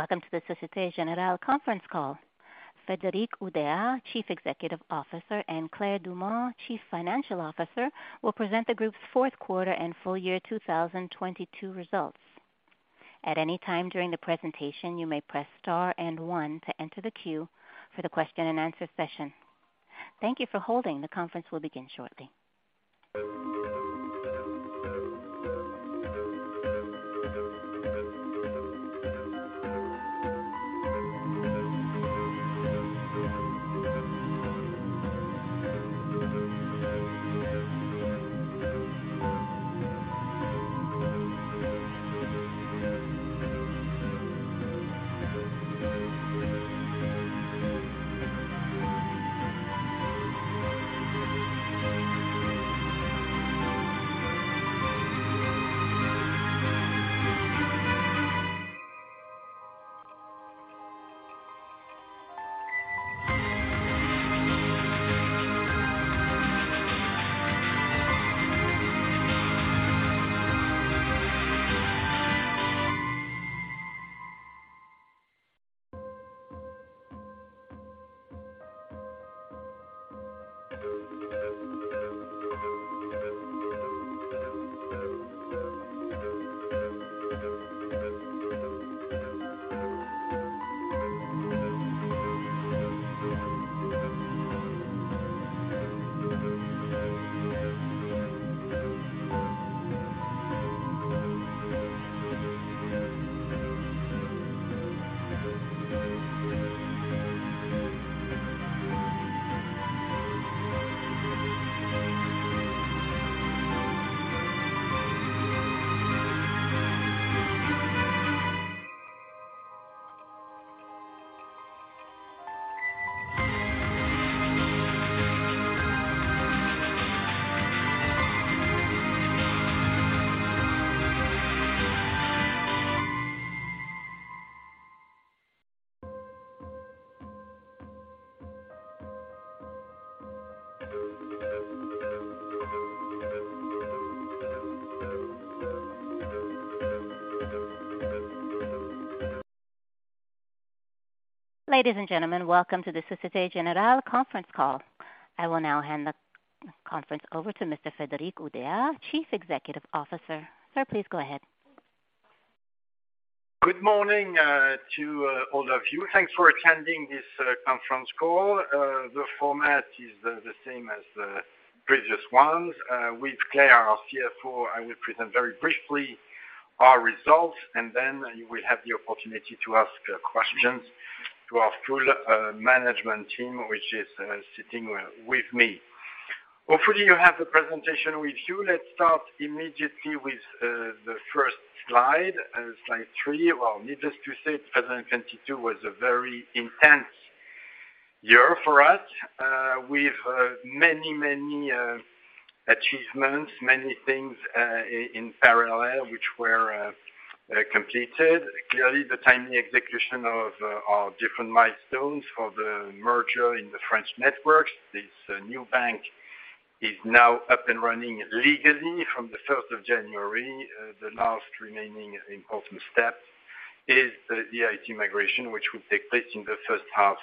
Welcome to the Société Générale conference call. Frédéric Oudéa, Chief Executive Officer, and Claire Dumas, Chief Financial Officer, will present the group's Q4 and full year 2022 results. At any time during the presentation you may press star and one to enter the queue for the question and answer session. Thank you for holding. The conference will begin shortly. Ladies and gentlemen, welcome to the Société Générale conference call. I will now hand the conference over to Mr. Frédéric Oudéa, Chief Executive Officer. Sir, please go ahead. Good morning to all of you. Thanks for attending this conference call. The format is the same as the previous ones. With Claire, our CFO, I will present very briefly our results, and then you will have the opportunity to ask questions to our full management team, which is sitting with me. Hopefully, you have the presentation with you. Let's start immediately with the first slide three. Well, needless to say, 2022 was a very intense year for us, with many achievements, many things in parallel, which were completed. Clearly, the timely execution of our different milestones for the merger in the French networks. This new bank is now up and running legally from the first of January. The last remaining important step is the IT migration, which will take place in the first half.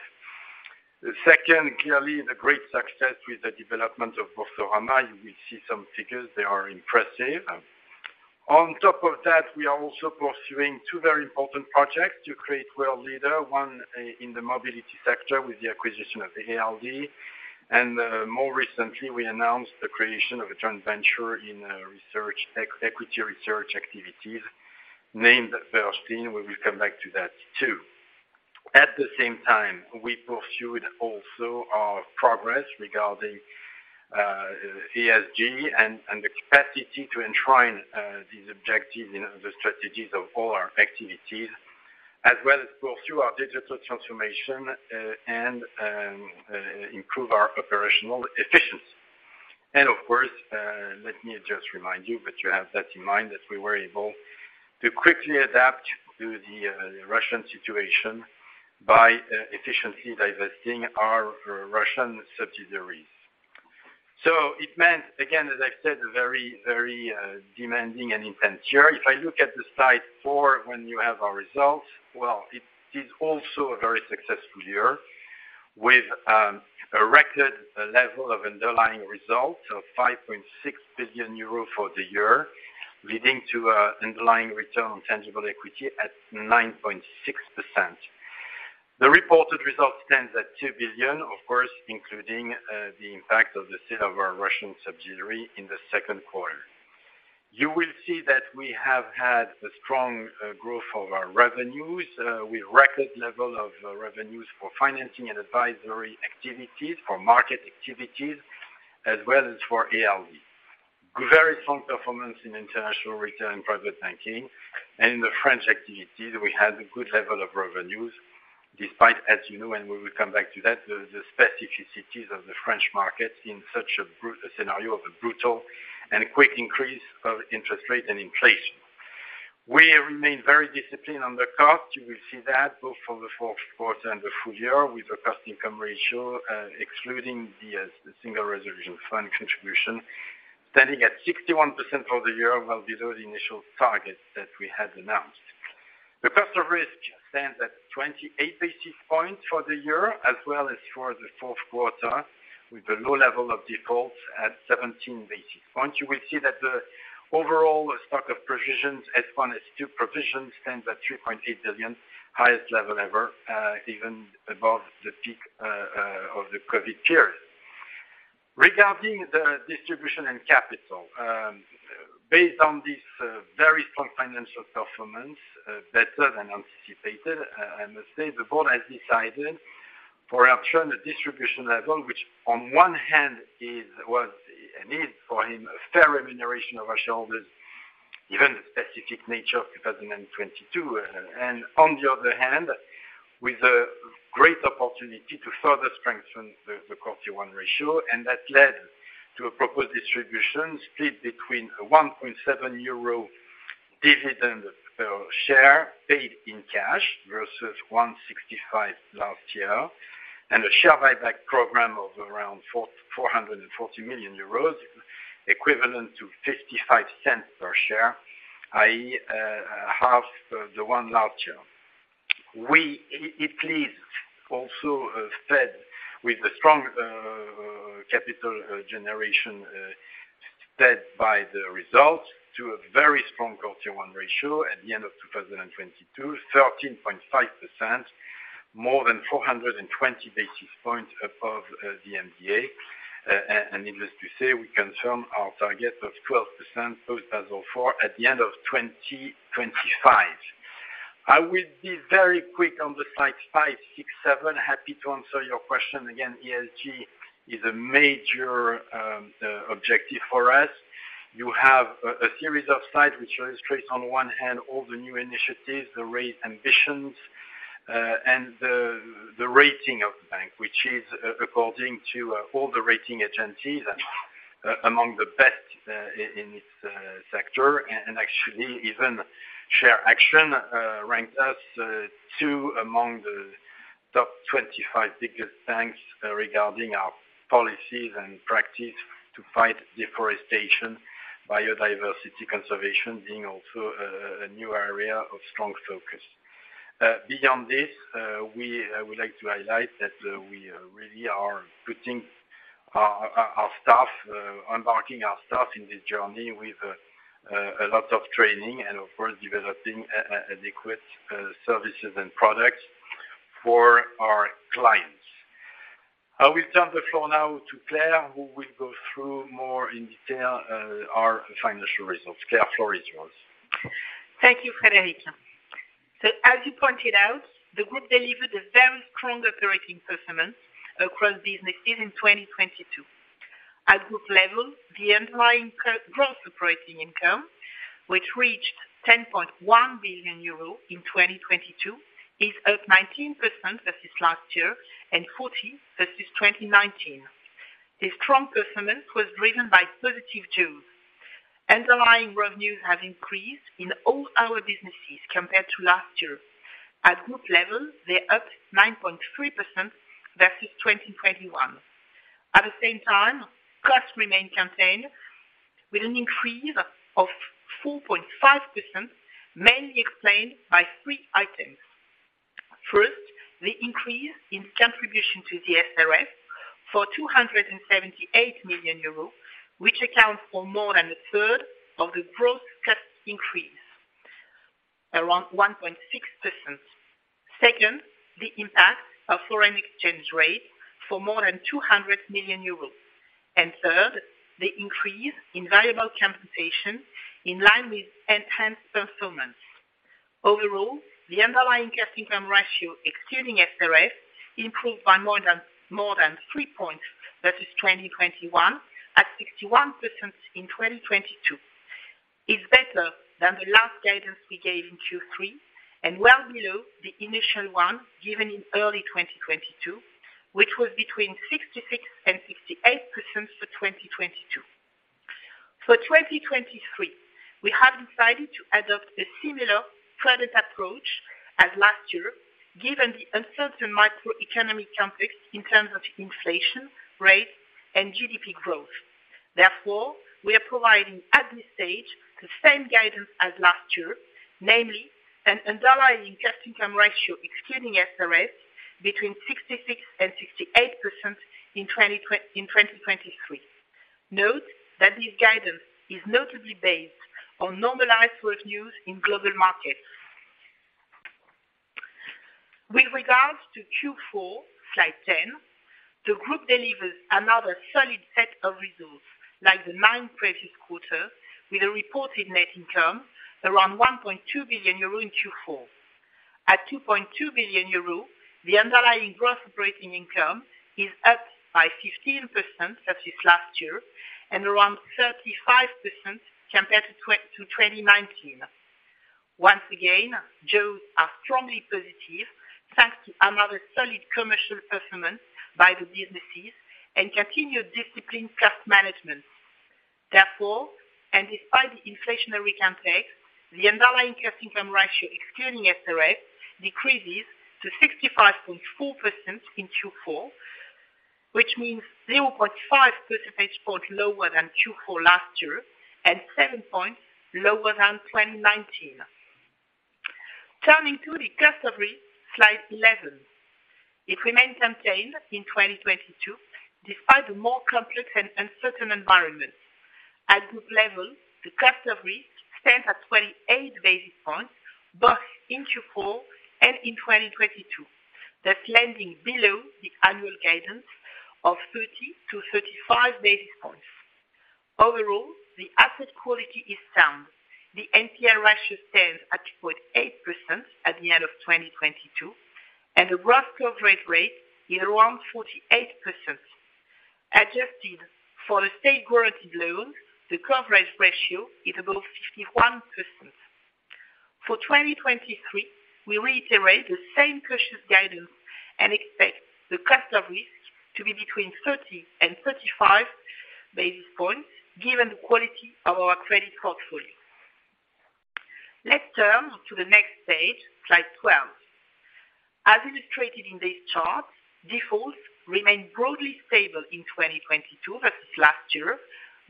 Second, clearly, the great success with the development of Boursorama. You will see some figures, they are impressive. On top of that, we are also pursuing two very important projects to create world leader, one in the mobility sector with the acquisition of ALD. More recently, we announced the creation of a joint venture in equity research activities named Bernstein. We will come back to that, too. At the same time, we pursued also our progress regarding ESG and the capacity to enshrine these objectives in the strategies of all our activities, as well as pursue our digital transformation and improve our operational efficiency. Of course, let me just remind you, but you have that in mind, that we were able to quickly adapt to the Russian situation by efficiently divesting our Russian subsidiaries. It meant, again, as I said, a very demanding and intense year. If I look at the slide 4, when you have our results, it is also a very successful year with a record level of underlying results of 5.6 billion euros for the year, leading to underlying return on tangible equity at 9.6%. The reported results stands at 2 billion, of course, including the impact of the sale of our Russian subsidiary in the Q2. You will see that we have had a strong growth of our revenues, with record level of revenues for financing and advisory activities, for market activities, as well as for ALD. Very strong performance in international retail and private banking. In the French activities, we had a good level of revenues despite, as you know, and we will come back to that, the specificities of the French market in such a scenario of a brutal and quick increase of interest rate and inflation. We remain very disciplined on the cost. You will see that both for the Q4 and the full year with the cost income ratio, excluding the Single Resolution Fund contribution, standing at 61% for the year, well below the initial target that we had announced. The cost of risk stands at 28 basis points for the year as well as for the Q4, with a low level of defaults at 17 basis points. You will see that the overall stock of provisions, S1 S2 provisions stands at 3.8 billion, highest level ever, even above the peak of the COVID period. Regarding the distribution and capital, based on this very strong financial performance, better than anticipated, I must say, the board has decided for our current distribution level, which on one hand is, was, and is for him a fair remuneration of our shareholders, given the specific nature of 2022. On the other hand, with a great opportunity to further strengthen the Common Equity Tier 1 ratio, and that led to a proposed distribution split between 1.7 euro dividend per share paid in cash versus 1.65 last year, and a share buyback program of around 440 million euros, equivalent to 0.55 per share, i.e., half the one last year. It leaves also fed with a strong capital generation, led by the results to a very strong Common Equity Tier 1 ratio at the end of 2022, 13.5%, more than 420 basis points above the MDA. Needless to say, we confirm our target of 12% post Basel IV at the end of 2025. I will be very quick on the site 5, 6, 7. Happy to answer your question. Again, ESG is a major objective for us. You have a series of sites which illustrates, on one hand, all the new initiatives, the rate ambitions, and the rating of the bank, which is according to all the rating agencies and among the best in this sector. Actually even ShareAction, ranked us 2 among the top 25 biggest banks, regarding our policies and practice to fight deforestation, biodiversity conservation being also a new area of strong focus. Beyond this, we would like to highlight that, we really are putting our staff, embarking our staff in this journey with a lot of training and, of course, developing adequate services and products for our clients. I will turn the floor now to Claire, who will go through more in detail, our financial results. Thank you, Frédéric. As you pointed out, the group delivered a very strong operating performance across businesses in 2022. At group level, the underlying gross operating income, which reached 10.1 billion euro in 2022, is up 19% versus last year and 40% versus 2019. This strong performance was driven by positive tools. Underlying revenues have increased in all our businesses compared to last year. At group level, they're up 9.3% versus 2021. At the same time, costs remain contained with an increase of 4.5%, mainly explained by three items. First, the increase in contribution to the SRF for 278 million euros, which accounts for more than a third of the gross cost increase, around 1.6%. Second, the impact of foreign exchange rate for more than 200 million euros. Third, the increase in variable compensation in line with enhanced performance. Overall, the underlying cost income ratio, excluding SRS, improved by more than 3 points versus 2021 at 61% in 2022. It's better than the last guidance we gave in Q3. Well below the initial one given in early 2022, which was between 66% and 68% for 2022. For 2023, we have decided to adopt a similar product approach as last year, given the uncertain macroeconomic context in terms of inflation rates and GDP growth. Therefore, we are providing at this stage the same guidance as last year, namely an underlying cost income ratio excluding SRS between 66% and 68% in 2023. Note that this guidance is notably based on normalized reviews in global markets. With regards to Q4, slide 10, the group delivers another solid set of results like the nine previous quarters with a reported net income around 1.2 billion euro in Q4. At 2.2 billion euro, the underlying gross operating income is up by 15% versus last year and around 35% compared to 2019. Tools are strongly positive, thanks to another solid commercial performance by the businesses and continued disciplined cost management. Despite the inflationary context, the underlying cost-income ratio, excluding SRF, decreases to 65.4% in Q4, which means 0.5 percentage point lower than Q4 last year and 7 points lower than 2019. Turning to the cost of risk, slide 11. It remained contained in 2022, despite the more complex and uncertain environment. At group level, the cost of risk stands at 28 basis points, both in Q4 and in 2022. That's landing below the annual guidance of 30-35 basis points. Overall, the asset quality is sound. The NPL ratio stands at 2.8% at the end of 2022, and the gross coverage rate is around 48%. Adjusted for the State-guaranteed loan, the coverage ratio is above 51%. For 2023, we reiterate the same cautious guidance and expect the cost of risk to be between 30 and 35 basis points given the quality of our credit portfolio. Let's turn to the next page, slide 12. As illustrated in this chart, defaults remained broadly stable in 2022 versus last year,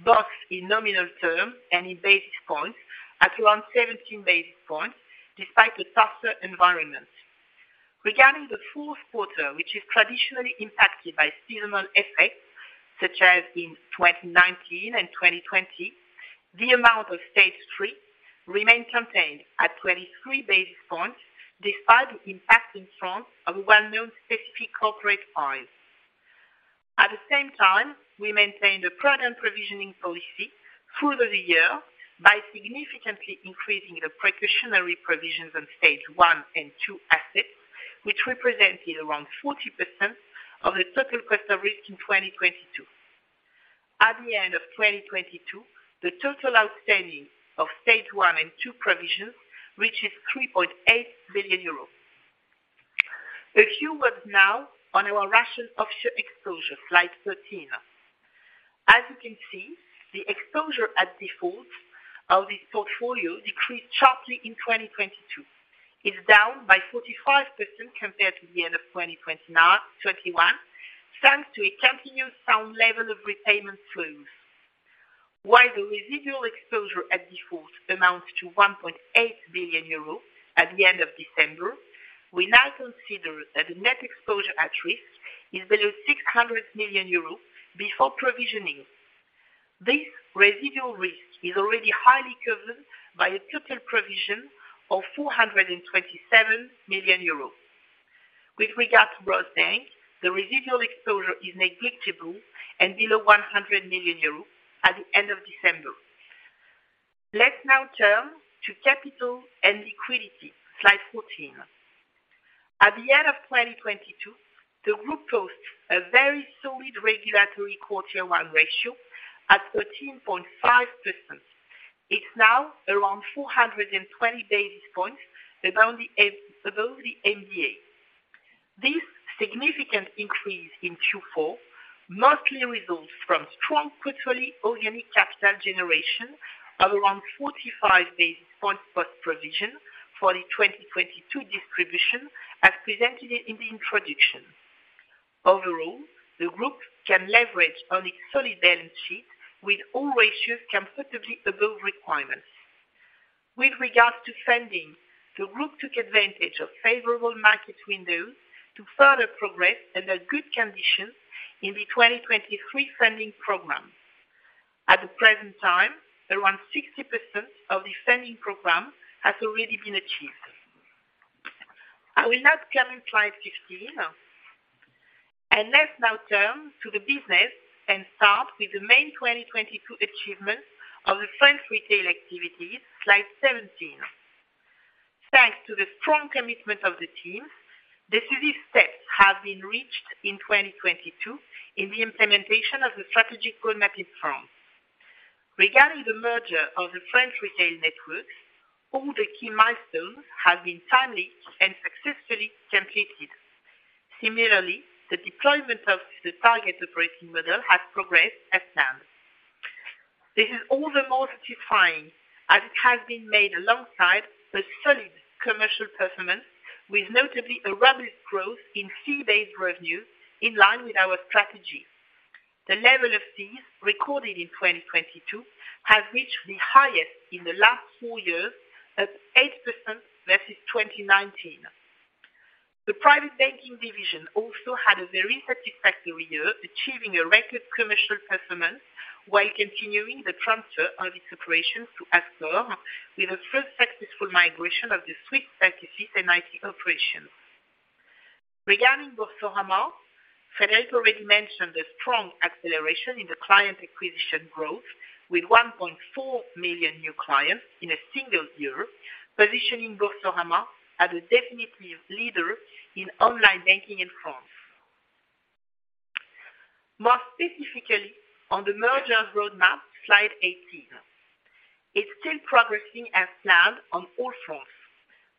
both in nominal terms and in basis points at around 17 basis points, despite the tougher environment. Regarding the Q4, which is traditionally impacted by seasonal effects, such as in 2019 and 2020, the amount of Stage 3 remained contained at 23 basis points, despite the impact in France of a well-known specific corporate. At the same time, we maintained a prudent provisioning policy through the year by significantly increasing the precautionary provisions on Stage 1 and Stage 2 assets, which represented around 40% of the total cost of risk in 2022. At the end of 2022, the total outstanding of Stage 1 and Stage 2 provisions reaches 3.8 billion euros. A few words now on our Russian offshore exposure, slide 13. As you can see, the exposure at default of this portfolio decreased sharply in 2022. It's down by 45% compared to the end of 2021, thanks to a continuous sound level of repayment flows. While the residual exposure at default amounts to 1.8 billion euros at the end of December, we now consider that the net exposure at risk is below 600 million euros before provisioning. This residual risk is already highly covered by a total provision of 427 million euros. With regards to Rosbank, the residual exposure is negligible and below 100 million euros at the end of December. Let's now turn to capital and liquidity. Slide 14. At the end of 2022, the group posts a very solid regulatory quarter one ratio at 13.5%. It's now around 420 basis points above the MDA. This significant increase in Q4 mostly results from strong quarterly organic capital generation of around 45 basis points post-provision for the 2022 distribution, as presented in the introduction. Overall, the group can leverage on its solid balance sheet with all ratios comfortably above requirements. With regards to funding, the group took advantage of favorable market windows to further progress under good conditions in the 2023 funding program. At the present time, around 60% of the funding program has already been achieved. I will now turn to slide 15. Let's now turn to the business and start with the main 2022 achievements of the French retail activities. Slide 17. Thanks to the strong commitment of the team, decisive steps have been reached in 2022 in the implementation of the strategic roadmap in France. Regarding the merger of the French retail networks, all the key milestones have been timely and successfully completed. Similarly, the deployment of the target operating model has progressed as planned. This is all the more satisfying as it has been made alongside a solid commercial performance, with notably a rapid growth in fee-based revenue in line with our strategy. The level of fees recorded in 2022 has reached the highest in the last four years, at 8% versus 2019. The private banking division also had a very satisfactory year, achieving a record commercial performance while continuing the transfer of its operations to ALD, with a full successful migration of the Swiss practices and IT operations. Regarding Boursorama, Frédéric already mentioned a strong acceleration in the client acquisition growth with 1.4 million new clients in a single year, positioning Boursorama as a definitive leader in online banking in France. More specifically, on the merger roadmap, slide 18. It's still progressing as planned on all fronts.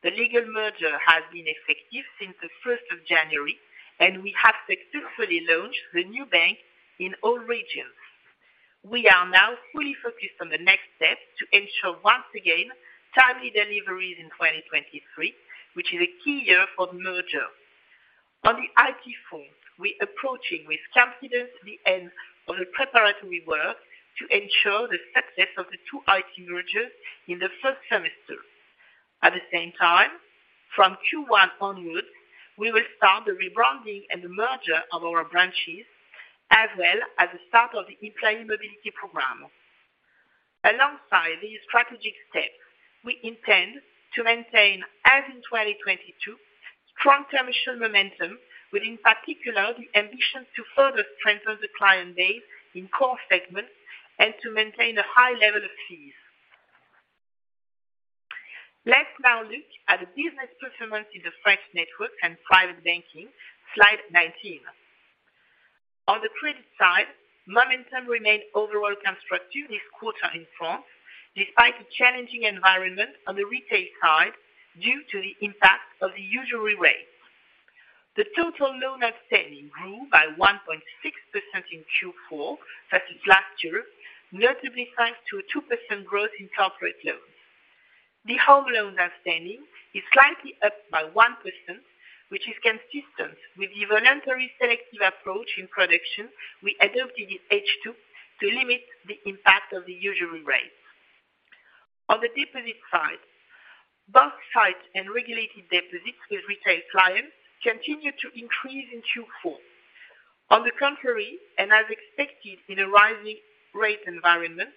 The legal merger has been effective since the first of January. We have successfully launched the new bank in all regions. We are now fully focused on the next step to ensure once again, timely deliveries in 2023, which is a key year for the merger. On the IT front, we approaching with confidence the end of the preparatory work to ensure the success of the two IT mergers in the first semester. At the same time, from Q1 onwards, we will start the rebranding and the merger of our branches, as well as the start of the employee mobility program. Alongside these strategic steps, we intend to maintain, as in 2022, strong commercial momentum, with in particular the ambition to further strengthen the client base in core segments and to maintain a high level of fees. Let's now look at the business performance in the French network and private banking. Slide 19. On the credit side, momentum remained overall constructive this quarter in France, despite a challenging environment on the retail side due to the impact of the usury rate. The total loan outstanding grew by 1.6% in Q4 versus last year, notably thanks to a 2% growth in corporate loans. The home loan outstanding is slightly up by 1%, which is consistent with the voluntary selective approach in production we adopted in H2 to limit the impact of the usury rate. On the deposit side, both sides and regulated deposits with retail clients continued to increase in Q4. On the contrary, as expected in a rising rate environment,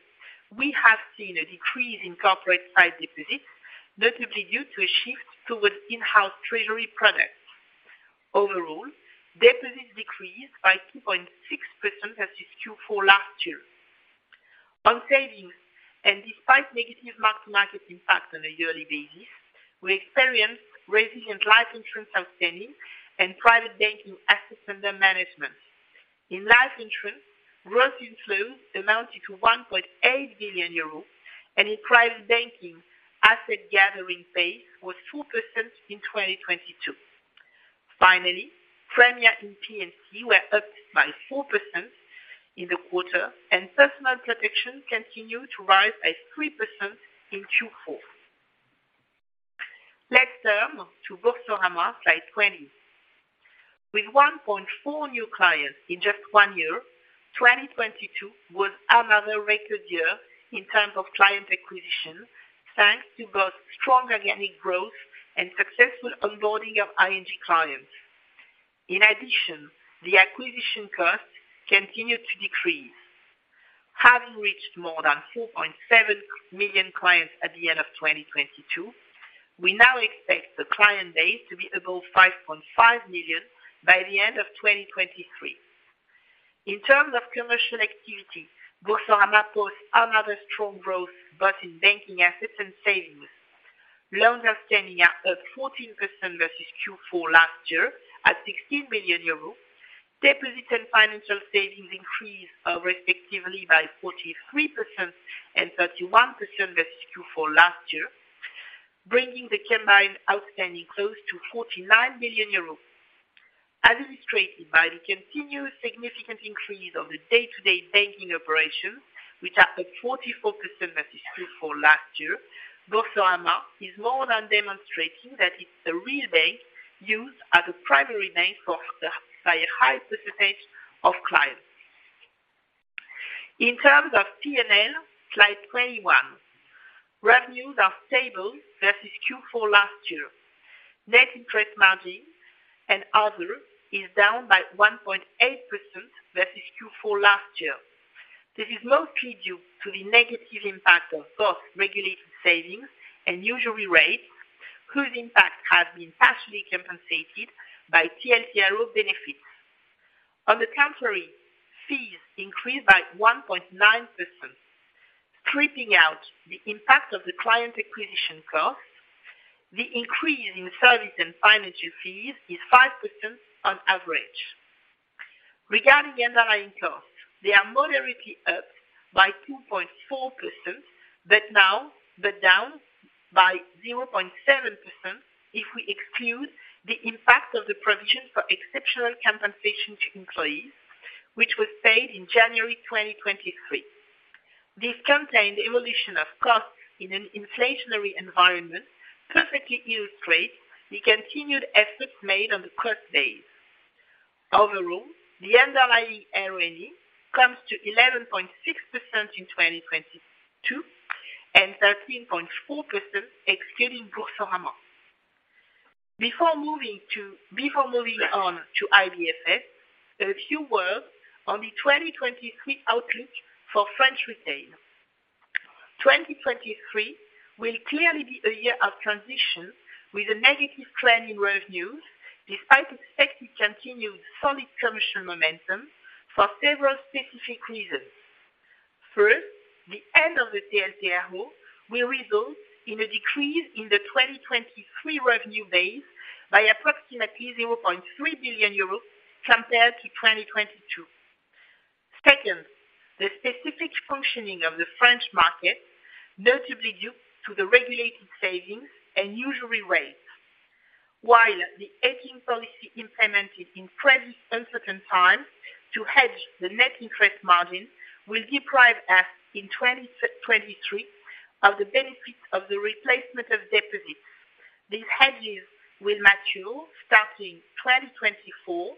we have seen a decrease in corporate-side deposits, notably due to a shift towards in-house treasury products. Overall, deposits decreased by 2.6% versus Q4 last year. On savings, despite negative mark-to-market impact on a yearly basis, we experienced resilient life insurance outstanding and private banking assets under management. In life insurance, growth in flow amounted to 1.8 billion euros, in private banking, asset gathering base was 2% in 2022. Finally, premium in P&C were up by 4% in the quarter, personal protection continued to rise by 3% in Q4. Let's turn to Boursorama, slide 20. With 1.4 new clients in just one year, 2022 was another record year in terms of client acquisition, thanks to both strong organic growth and successful onboarding of ING clients. In addition, the acquisition costs continued to decrease. Having reached more than 4.7 million clients at the end of 2022, we now expect the client base to be above 5.5 million by the end of 2023. In terms of commercial activity, Boursorama posts another strong growth both in banking assets and savings. Loans outstanding are up 14% versus Q4 last year at 60 billion euros. Deposits and financial savings increased, respectively by 43% and 31% versus Q4 last year, bringing the combined outstanding close to 49 million euros. As illustrated by the continued significant increase of the day-to-day banking operations, which are up 44% versus Q4 last year, Boursorama is more than demonstrating that it's a real bank used as a primary bank by a high percentage of clients. In terms of P&L, slide 21. Revenues are stable versus Q4 last year. Net interest margin and other is down by 1.8% versus Q4 last year. This is mostly due to the negative impact of both regulated savings and usury rate, whose impact has been partially compensated by TLTRO benefits. Fees increased by 1.9%, stripping out the impact of the client acquisition costs, the increase in service and financial fees is 5% on average. Regarding underlying costs, they are moderately up by 2.4%, but down by 0.7% if we exclude the impact of the provision for exceptional compensation to employees, which was paid in January 2023. This contained evolution of costs in an inflationary environment perfectly illustrates the continued efforts made on the cost base. Overall, the underlying ROE comes to 11.6% in 2022, and 13.4% excluding Boursorama. Before moving on to IBFS, a few words on the 2023 outlook for French Retail. 2023 will clearly be a year of transition with a negative trend in revenues, despite expected continued solid commercial momentum for several specific reasons. First, the end of the TLTRO will result in a decrease in the 2023 revenue base by approximately 0.3 billion euros compared to 2022. The specific functioning of the French market, notably due to the regulated savings and usury rates. While the hedging policy implemented in pretty uncertain times to hedge the net interest margin will deprive us in 2023 of the benefits of the replacement of deposits. These hedges will mature starting 2024-2025.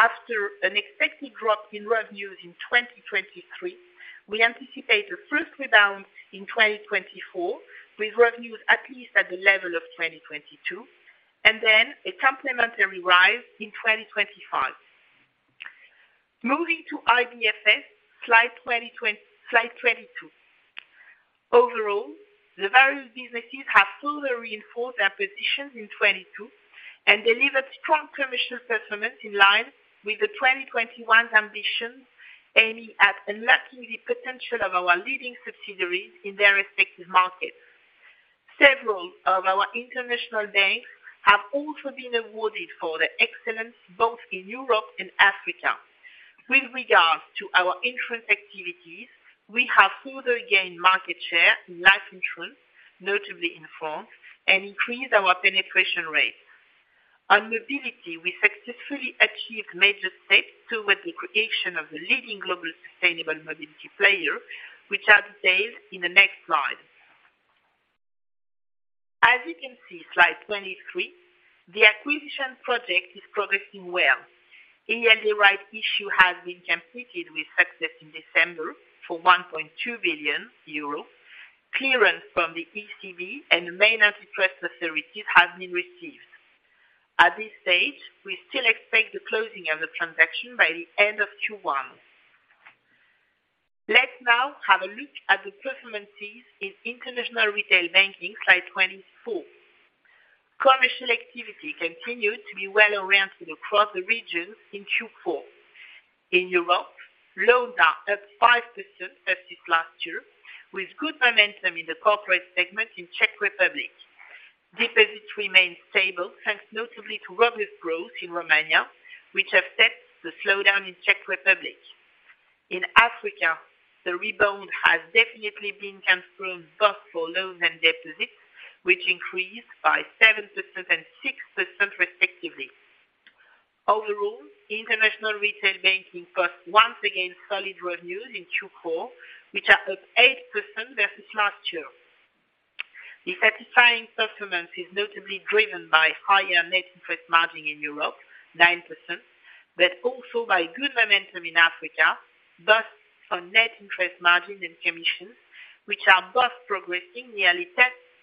After an expected drop in revenues in 2023, we anticipate a first rebound in 2024, with revenues at least at the level of 2022, and then a complementary rise in 2025. Moving to IBFS, slide 22. The various businesses have further reinforced their positions in 2022 and delivered strong commercial performance in line with the 2021 ambitions, aiming at unlocking the potential of our leading subsidiaries in their respective markets. Several of our international banks have also been awarded for their excellence, both in Europe and Africa. With regards to our insurance activities, we have further gained market share in life insurance, notably in France, and increased our penetration rates. On mobility, we successfully achieved major steps towards the creation of a leading global sustainable mobility player, which are detailed in the next slide. As you can see, slide 23, the acquisition project is progressing well. ALD Rights issue has been completed with success in December for 1.2 billion euros. Clearance from the ECB and the main antitrust authorities has been received. At this stage, we still expect the closing of the transaction by the end of Q1. Let's now have a look at the performances in international retail banking, slide 24. Commercial activity continued to be well oriented across the region in Q4. In Europe, loans are up 5% versus last year, with good momentum in the corporate segment in Czech Republic. Deposits remain stable, thanks notably to robust growth in Romania, which offsets the slowdown in Czech Republic. In Africa, the rebound has definitely been confirmed, both for loans and deposits, which increased by 7% and 6% respectively. Overall, international retail banking posts once again solid revenues in Q4, which are up 8% versus last year. The satisfying performance is notably driven by higher net interest margin in Europe, 9%, but also by good momentum in Africa, both for net interest margin and commissions, which are both progressing nearly 10%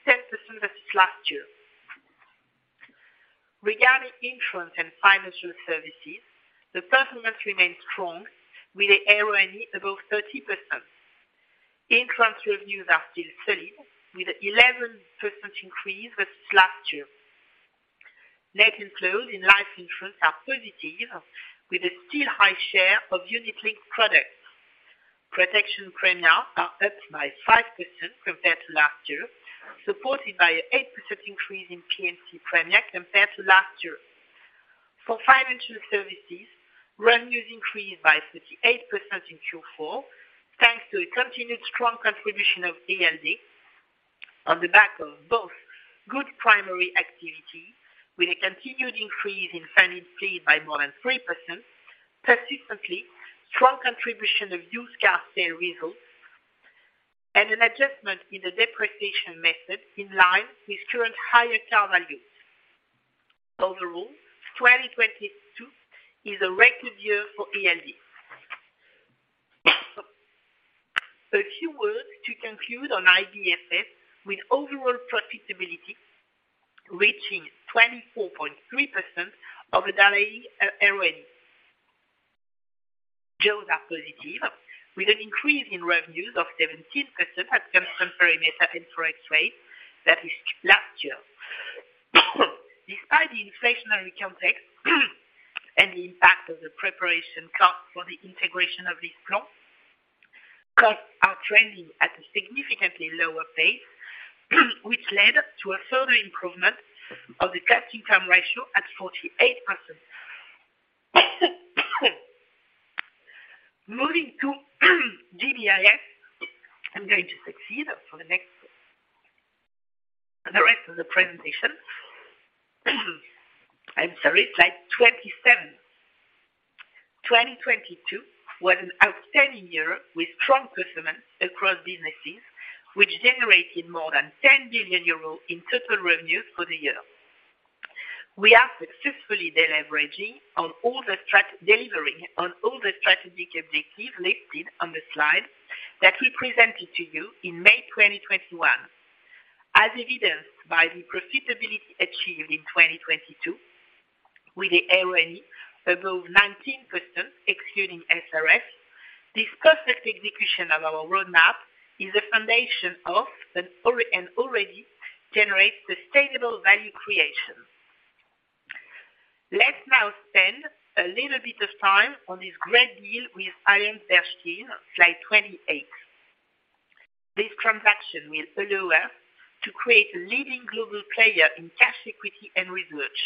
versus last year. Regarding insurance and financial services, the performance remains strong with a ROE above 30%. Insurance revenues are still solid, with 11% increase versus last year. Net inflows in life insurance are positive, with a still high share of unit-linked products. Protection premiums are up by 5% compared to last year, supported by an 8% increase in P&C premium compared to last year. For financial services, revenues increased by 38% in Q4, thanks to a continued strong contribution of ALD on the back of both good primary activity with a continued increase in funded fee by more than 3%, persistently strong contribution of used car sale results, and an adjustment in the depreciation method in line with current higher car values. Overall, 2022 is a record year for ALD. A few words to conclude on IBFS with overall profitability reaching 24.3% of the daily ROE. Shows are positive, with an increase in revenues of 17% at constant perimeter and foreign exchange versus last year. Despite the inflationary context and the impact of the preparation cost for the integration of LeasePlan, costs are trending at a significantly lower pace, which led to a further improvement of the cost-income ratio at 48%. Moving to GBIS, I'm going to succeed for the rest of the presentation. I'm sorry, slide 27. 2022 was an outstanding year with strong performance across businesses, which generated more than 10 billion euros in total revenues for the year. We are successfully delivering on all the strategic objectives listed on the slide that we presented to you in May 2021. As evidenced by the profitability achieved in 2022 with a ROE above 19% excluding SRS, this consistent execution of our roadmap is the foundation of and already generates sustainable value creation. Let's now spend a little bit of time on this great deal with AllianceBernstein, slide 28. This transaction will allow us to create a leading global player in cash equity and research.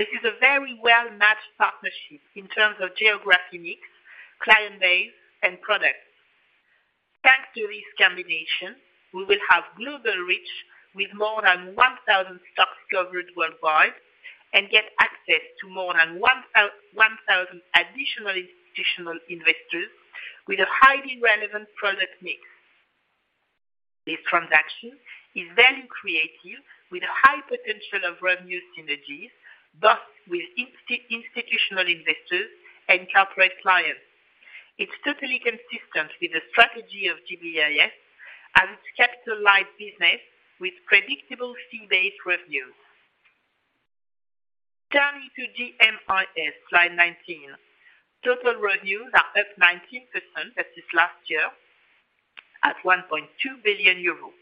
This is a very well-matched partnership in terms of geographic mix, client base, and products. Thanks to this combination, we will have global reach with more than 1,000 stocks covered worldwide and get access to more than 1,000 additional institutional investors with a highly relevant product mix. This transaction is very creative, with high potential of revenue synergies, both with institutional investors and corporate clients. It's totally consistent with the strategy of GBIS as it's capitalized business with predictable fee-based revenues. Turning to GBIS, slide 19. Total revenues are up 19% versus last year at 1.2 billion euros.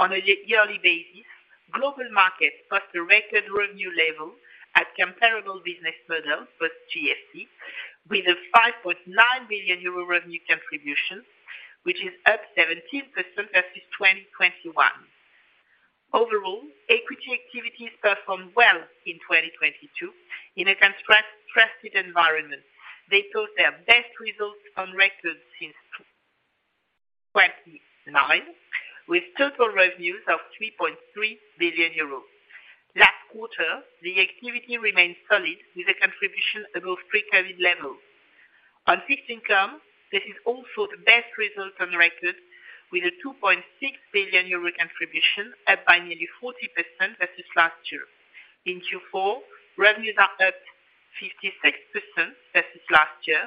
On a yearly basis, global markets touched a record revenue level at comparable business model for GFC, with a 5.9 billion euro revenue contribution, which is up 17% versus 2021. Overall, equity activities performed well in 2022 in a constricted environment. They took their best results on record since 2009, with total revenues of 3.3 billion euros. Last quarter, the activity remained solid with a contribution above pre-COVID levels. On fixed income, this is also the best results on record, with a 2.6 billion euro contribution, up by nearly 40% versus last year. In Q4, revenues are up 56% versus last year.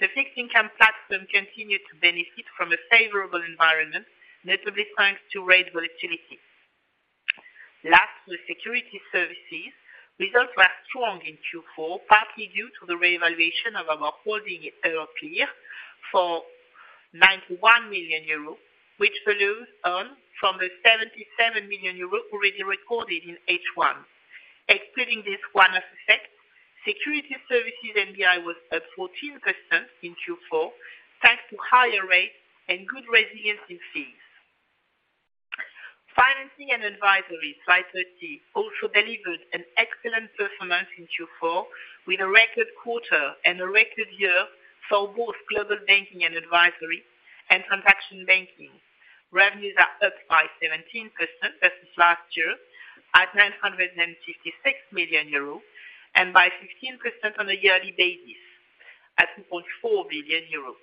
The fixed income platform continued to benefit from a favorable environment, notably thanks to rate volatility. Last, with security services, results were strong in Q4, partly due to the reevaluation of our holding, Euroclear, for 91 million euros, which follows on from the 77 million euros already recorded in H1. Excluding this one-off effect, security services NBI was up 14% in Q4, thanks to higher rates and good resiliency fees. Financing and advisory, slide 30, also delivered an excellent performance in Q4 with a record quarter and a record year for both global banking and advisory and transaction banking. Revenues are up by 17% versus last year at 956 million euros, and by 15% on a yearly basis at 2.4 billion euros.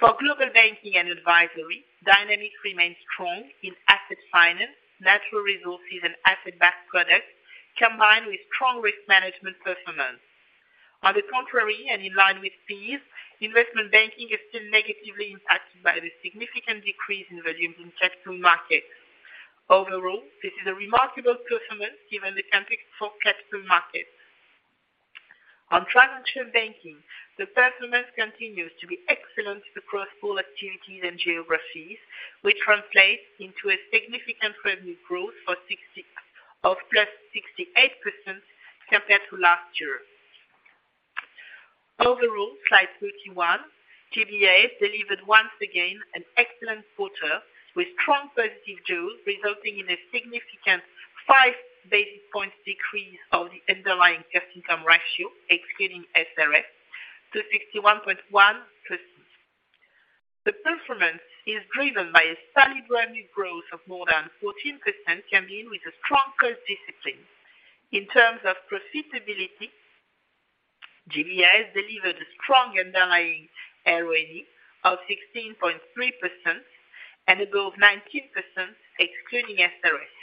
For global banking and advisory, dynamics remain strong in asset finance, natural resources, and asset-backed products, combined with strong risk management performance. On the contrary, in line with fees, investment banking is still negatively impacted by the significant decrease in volumes in capital markets. Overall, this is a remarkable performance given the country for capital markets. On transaction banking, the performance continues to be excellent across all activities and geographies, which translates into a significant revenue growth of +68% compared to last year. Overall, slide 31, GBIS delivered once again an excellent quarter with strong positive yields, resulting in a significant 5 basis point decrease of the underlying cost income ratio, excluding SRF, to 61.1%. The performance is driven by a steady revenue growth of more than 14%, combined with a stronger discipline. In terms of profitability, GBIS delivered a strong underlying ROE of 16.3% and a goal of 19% excluding SRF.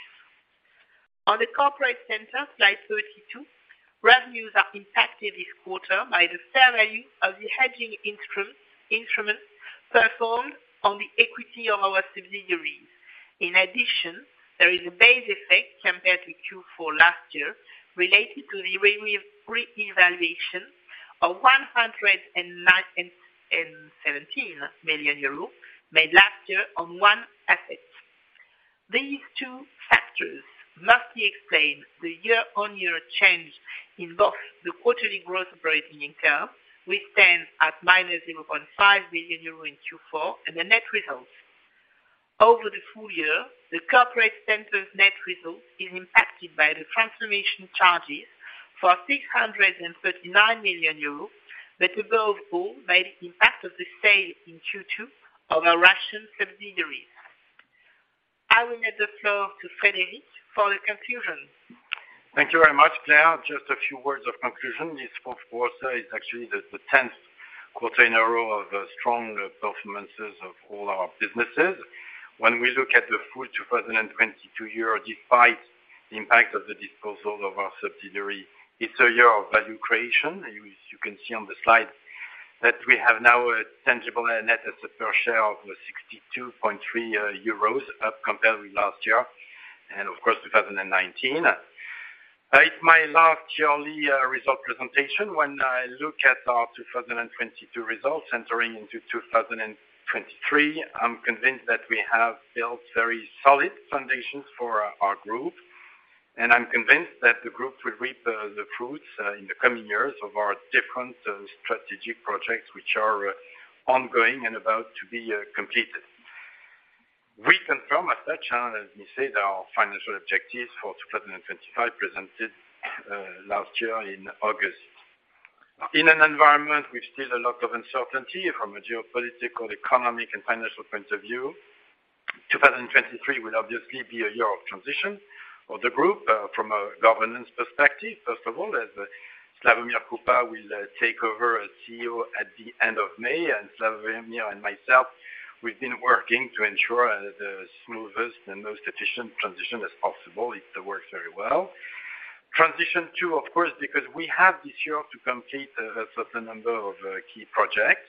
On the corporate center, slide 32, revenues are impacted this quarter by the fair value of the hedging instrument performed on the equity of our subsidiaries. In addition, there is a base effect compared with Q4 last year, related to the revaluation of EUR 109 million and EUR 17 million made last year on one asset. These two factors mostly explain the year-on-year change in both the year-on-year quarterly growth operating income, which stands at minus 0.5 billion euro in Q4, and the net results. Over the full year, the corporate center's net result is impacted by the transformation charges for 639 million euros, but above all, by the impact of the sale in Q2 of our Russian subsidiaries. I will hand the floor to Frédéric for the conclusion. Thank you very much, Claire. Just a few words of conclusion. This Q4 is actually the 10th quarter in a row of strong performances of all our businesses. We look at the full 2022 year, despite the impact of the disposal of our subsidiary, it's a year of value creation. You can see on the slide that we have now a tangible net asset per share of 62.3 euros, up compared with last year, and of course, 2019. It's my last yearly result presentation. When I look at our 2022 results entering into 2023, I'm convinced that we have built very solid foundations for our group. I'm convinced that the group will reap the fruits in the coming years of our different strategic projects, which are ongoing and about to be completed. We confirm as such, and as we said, our financial objectives for 2025 presented last year in August. In an environment with still a lot of uncertainty from a geopolitical, economic and financial point of view, 2023 will obviously be a year of transition for the group from a governance perspective. First of all, as Slawomir Krupa will take over as CEO at the end of May, and Slawomir and myself, we've been working to ensure the smoothest and most efficient transition as possible, it works very well. Transition too, of course, because we have this year to complete a certain number of key projects.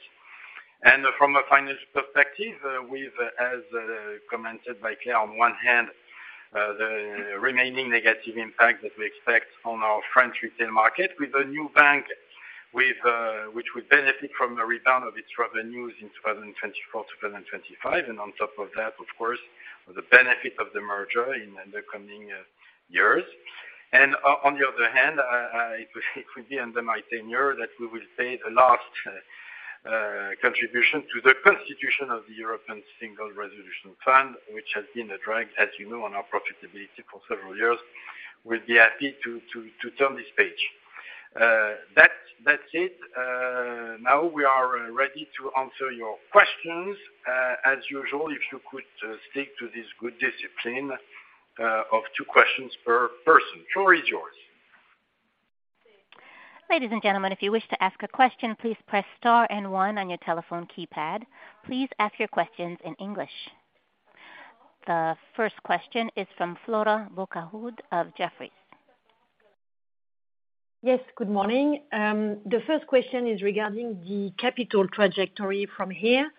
From a financial perspective, with, as commented by Claire, on one hand, the remaining negative impact that we expect on our French retail market with a new bank, with, which will benefit from a rebound of its revenues in 2024, 2025. On top of that, of course, the benefit of the merger in the coming years. On the other hand, it will be under my tenure that we will pay the last contribution to the Constitution of the European Single Resolution Fund, which has been a drag, as you know, on our profitability for several years. We'll be happy to turn this page. That's it. Now we are ready to answer your questions. As usual, if you could stick to this good discipline of two questions per person. Floor is yours. Ladies and gentlemen, if you wish to ask a question, please press star and 1 on your telephone keypad. Please ask your questions in English. The first question is from Flora Bocahut of Jefferies. Yes, good morning. The first question is regarding the capital trajectory from here.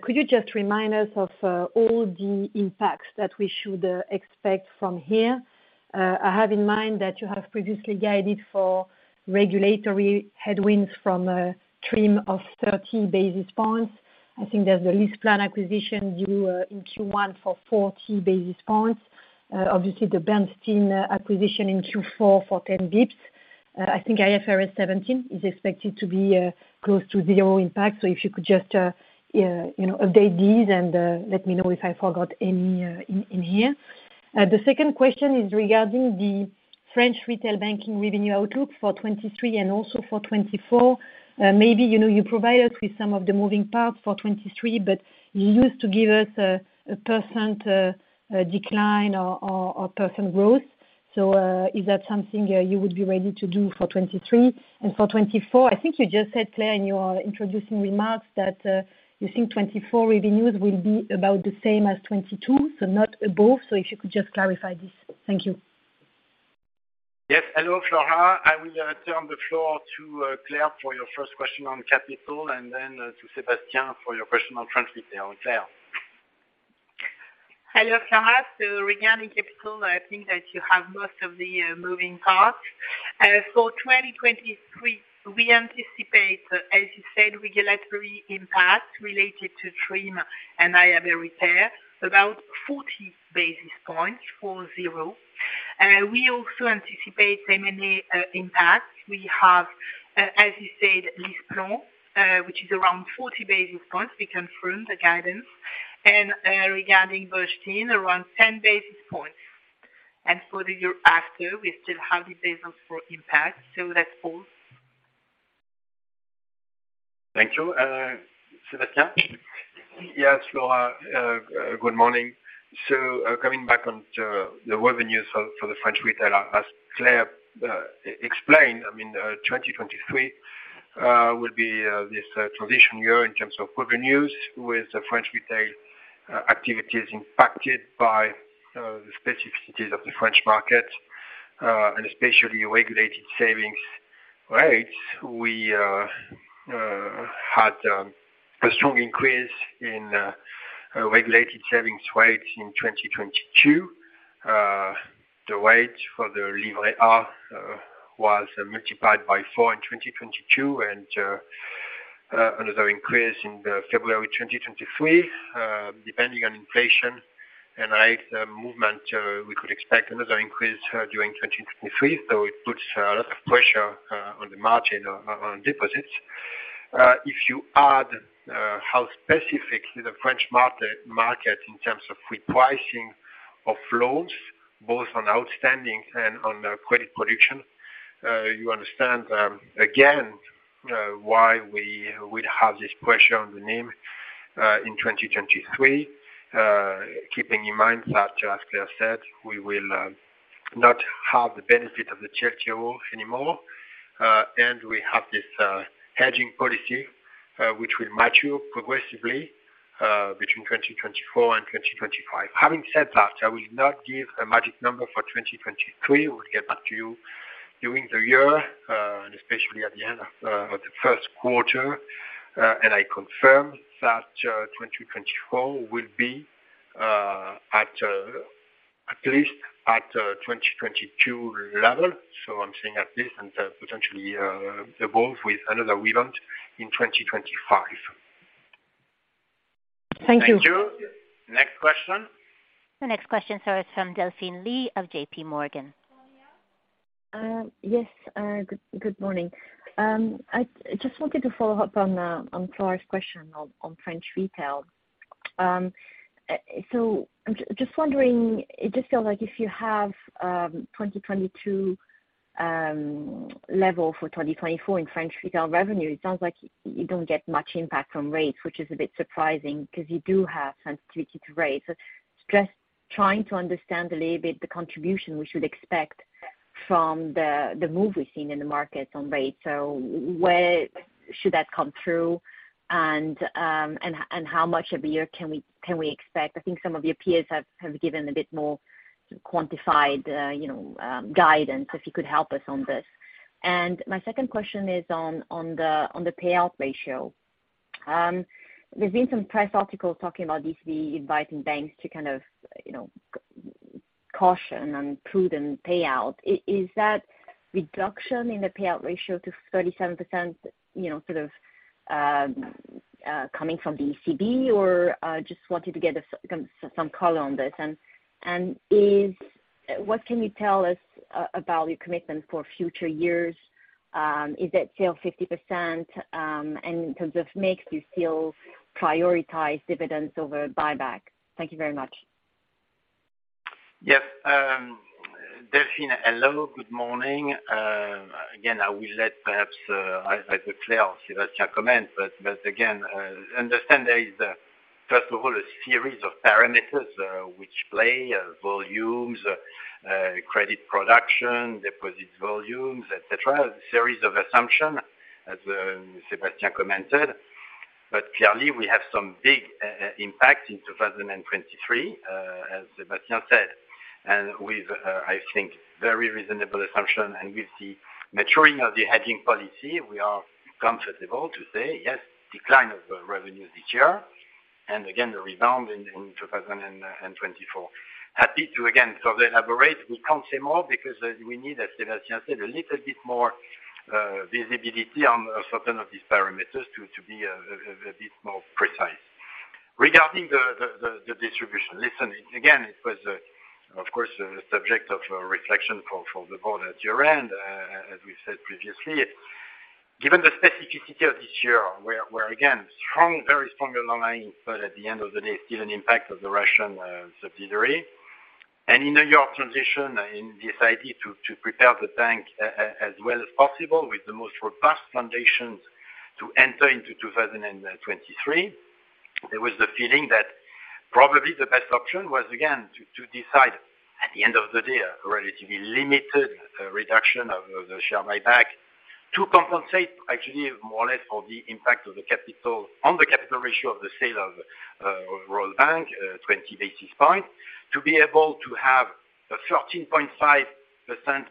Could you just remind us of all the impacts that we should expect from here? I have in mind that you have previously guided for regulatory headwinds from a TRIM of 30 basis points. I think there's the LeasePlan acquisition due in Q1 for 40 basis points. Obviously, the Bernstein acquisition in Q4 for 10 basis points. I think IFRS 17 is expected to be close to zero impact. If you could just, you know, update these and let me know if I forgot any in here. The second question is regarding the French retail banking revenue outlook for 2023 and also for 2024. Maybe, you know, you provide us with some of the moving parts for 2023, but you used to give us a %, decline or % growth. Is that something you would be ready to do for 2023? For 2024, I think you just said, Claire, in your introducing remarks that, you think 2024 revenues will be about the same as 2022, not above. If you could just clarify this. Thank you. Yes. Hello, Flora. I will turn the floor to Claire for your first question on capital and then to Sebastian for your question on French retail. Claire? Hello, Flora. Regarding capital, I think that you have most of the moving parts. For 2023, we anticipate, as you said, regulatory impact related to TRIM and IFRIC there, about 40 basis points for zero. We also anticipate M&A impact. We have, as you said, LeasePlan, which is around 40 basis points, we confirm the guidance. Regarding Bernstein, around 10 basis points. For the year after, we still have the Basel IV impact, that's all. Thank you. Sebastian? Yes, Flora, good morning. Coming back onto the revenues for the French retail, as Claire explained, I mean, 2023 will be this transition year in terms of revenues with the French retail activities impacted by the specificities of the French market and especially regulated savings rates. We had a strong increase in regulated savings rates in 2022. The rate for the Livret A was multiplied by 4 in 2022 and another increase in February 2023. Depending on inflation and rate movement, we could expect another increase during 2023. It puts a lot of pressure on the margin on deposits. If you add how specific the French market in terms of repricing of loans, both on outstanding and on credit production, you understand again why we would have this pressure on the NIM in 2023. Keeping in mind that, as Claire said, we will not have the benefit of the CRR anymore, and we have this hedging policy which will mature progressively between 2024 and 2025. Having said that, I will not give a magic number for 2023. We'll get back to you during the year, and especially at the end of the Q1. I confirm that 2024 will be at least at 2022 level. I'm saying at least and, potentially, above with another rebound in 2025. Thank you. Thank you. Next question. The next question, sir, is from Delphine Lee of J.P. Morgan. Yes, good morning. I just wanted to follow up on Clara's question on French retail. I'm just wondering, it just feels like if you have 2022 level for 2024 in French retail revenue, it sounds like you don't get much impact from rates, which is a bit surprising because you do have sensitivity to rates. Just trying to understand a little bit the contribution we should expect from the move we've seen in the market on rates. Where should that come through? How much a year can we expect? I think some of your peers have given a bit more quantified, you know, guidance, if you could help us on this. My second question is on the payout ratio. There's been some press articles talking about ECB inviting banks to kind of, you know, caution on prudent payout. Is that reduction in the payout ratio to 37%, you know, sort of, coming from the ECB, or just wanted to get some color on this. What can you tell us about your commitment for future years? Is that still 50%? In terms of mix, do you still prioritize dividends over buyback? Thank you very much. Yes. Delphine, hello. Good morning. Again, I will let perhaps either Claire or Sebastian comment. Again, understand there is first of all, a series of parameters which play volumes, credit production, deposit volumes, et cetera. A series of assumption, as Sebastian commented. Clearly, we have some big impact in 2023, as Sebastian said, and with I think very reasonable assumption, and with the maturing of the hedging policy, we are comfortable to say, yes, decline of revenue this year, and again, the rebound in 2024. Happy to again further elaborate. We can't say more because we need, as Sebastian said, a little bit more visibility on certain of these parameters to be a bit more precise. Regarding the distribution. Listen, again, it was, of course, a subject of reflection for the board at year-end, as we said previously. Given the specificity of this year, where, again, strong, very strong underlying, but at the end of the day, still an impact of the Russian subsidiary. In a year transition, in this idea to prepare the bank as well as possible with the most robust foundations to enter into 2023, there was the feeling that probably the best option was, again, to decide at the end of the day, a relatively limited reduction of the share buyback to compensate actually more or less for the impact of the capital, on the capital ratio of the sale of Royal Bank, 20 basis points, to be able to have a 13.5%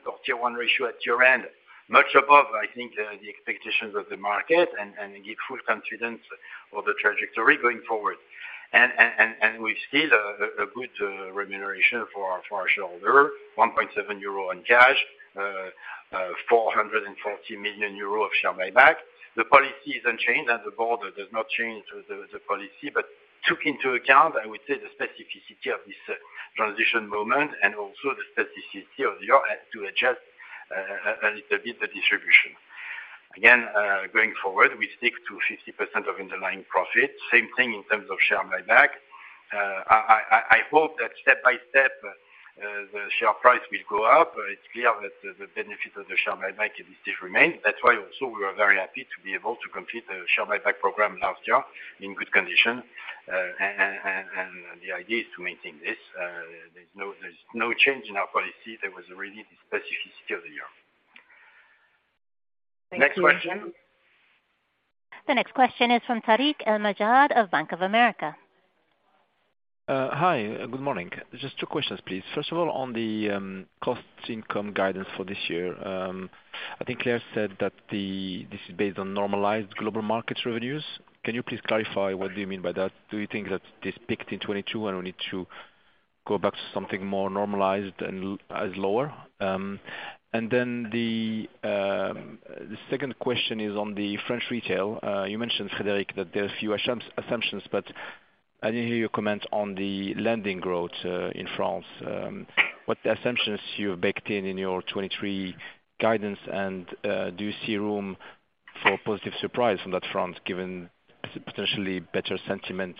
of Tier 1 ratio at year-end, much above, I think, the expectations of the market and give full confidence of the trajectory going forward. We still a good remuneration for our shareholder, 1.7 euro in cash, 440 million euro of share buyback. The policy is unchanged and the board does not change the policy, but took into account, I would say, the specificity of this transition moment and also the specificity of the year to adjust a little bit the distribution. Going forward, we stick to 50% of underlying profit. Same thing in terms of share buyback. I hope that step by step, the share price will go up. It's clear that the benefit of the share buyback will still remain. That's why also we are very happy to be able to complete the share buyback program last year in good condition. The idea is to maintain this. There's no, there's no change in our policy. There was really the specificity of the year. Thank you. Next question. The next question is from Tarik El Mejjad of Bank of America. Hi, good morning. Just two questions, please. First of all, on the cost income guidance for this year, I think Claire said that this is based on normalized global market revenues. Can you please clarify what do you mean by that? Do you think that this peaked in 2022 and we need to go back to something more normalized and as lower? Then the second question is on the French retail. You mentioned, Frédéric, that there are a few assumptions, but I didn't hear your comment on the lending growth in France. What assumptions you have baked in in your 2023 guidance and do you see room for positive surprise on that front, given potentially better sentiment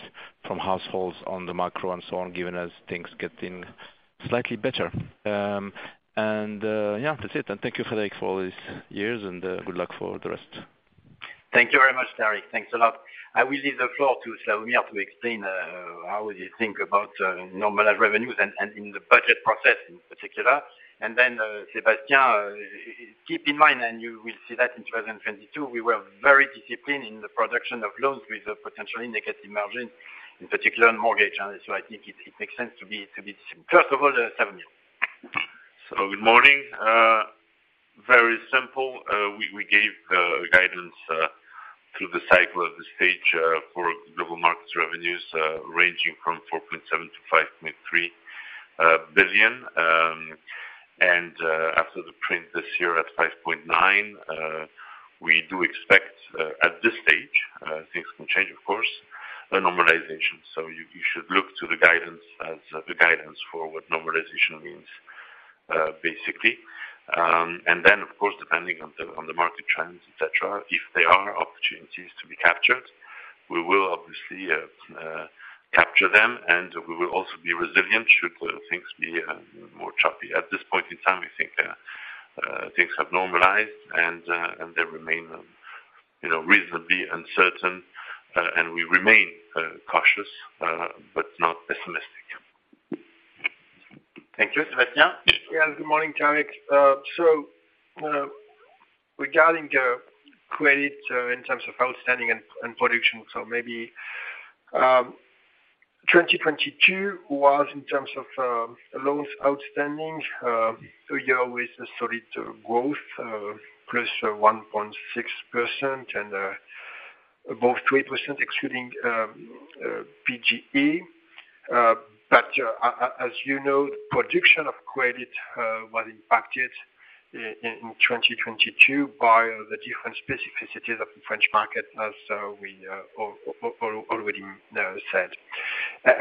from households on the macro and so on, given as things getting slightly better? Yeah, that's it. Thank you, Frédéric, for all these years, and good luck for the rest. Thank you very much, Tarik. Thanks a lot. I will leave the floor to Slawomir to explain how you think about normalized revenues and in the budget process in particular. Then, Sebastian, keep in mind, and you will see that in 2022, we were very disciplined in the production of loans with a potentially negative margin, in particular in mortgage. So I think it makes sense to be... First of all, Slawomir. Good morning. Very simple. We gave guidance through the cycle of the stage for global markets revenues ranging from 4.7 billion-5.3 billion. After the print this year at 5.9, we do expect, at this stage, things can change, of course, a normalization. You should look to the guidance as the guidance for what normalization means, basically. Then of course, depending on the market trends, et cetera, if there are opportunities to be captured, we will obviously capture them, and we will also be resilient should things be more choppy. At this point in time, we think, things have normalized and they remain, you know, reasonably uncertain. We remain cautious, but not pessimistic. Thank you. Sebastian? Yeah. Good morning, Tarik. Regarding credit in terms of outstanding and production, maybe 2022 was in terms of loans outstanding a year with a solid growth, +1.6% and above 3% excluding PGE. As you know, the projection of credit was impacted in 2022 by the different specificities of the French market as we already said.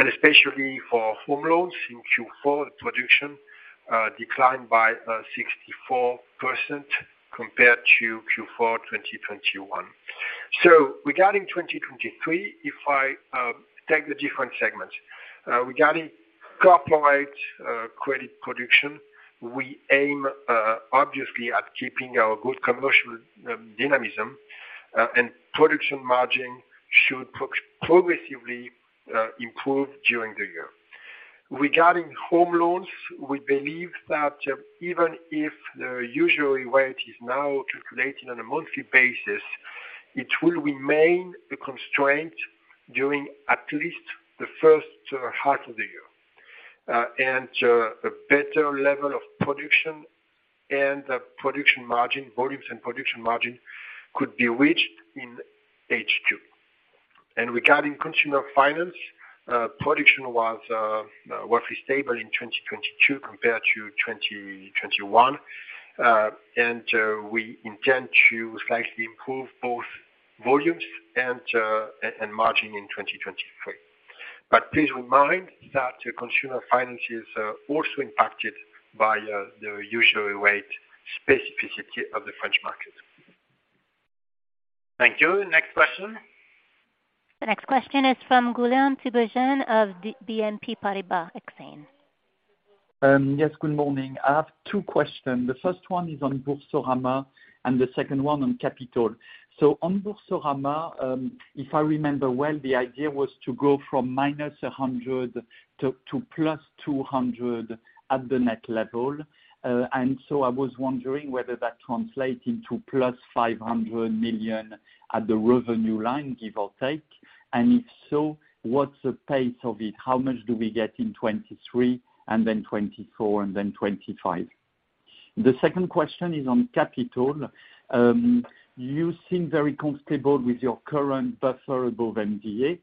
Especially for home loans in Q4, the production declined by 64% compared to Q4 2021. Regarding 2023, if I take the different segments regarding corporate credit production, we aim obviously at keeping our good commercial dynamism, and production margin should progressively improve during the year. Regarding home loans, we believe that even if the usury rate is now calculating on a monthly basis, it will remain a constraint during at least the first half of the year. A better level of production and production margin, volumes and production margin could be reached in H2. Regarding consumer finance, production was stable in 2022 compared to 2021. We intend to slightly improve both volumes and margin in 2023. Please remind that consumer finance is also impacted by the usury rate specificity of the French market. Thank you. Next question. The next question is from Guillaume Tiberghien of Exane BNP Paribas. Yes, good morning. I have two questions. The first one is on Boursorama. The second one on capital. On Boursorama, if I remember well, the idea was to go from minus 100 to +200 at the net level. I was wondering whether that translate into +500 million at the revenue line, give or take. If so, what's the pace of it? How much do we get in 2023 and then 2024 and then 2025? The second question is on capital. You seem very comfortable with your current buffer above MDA.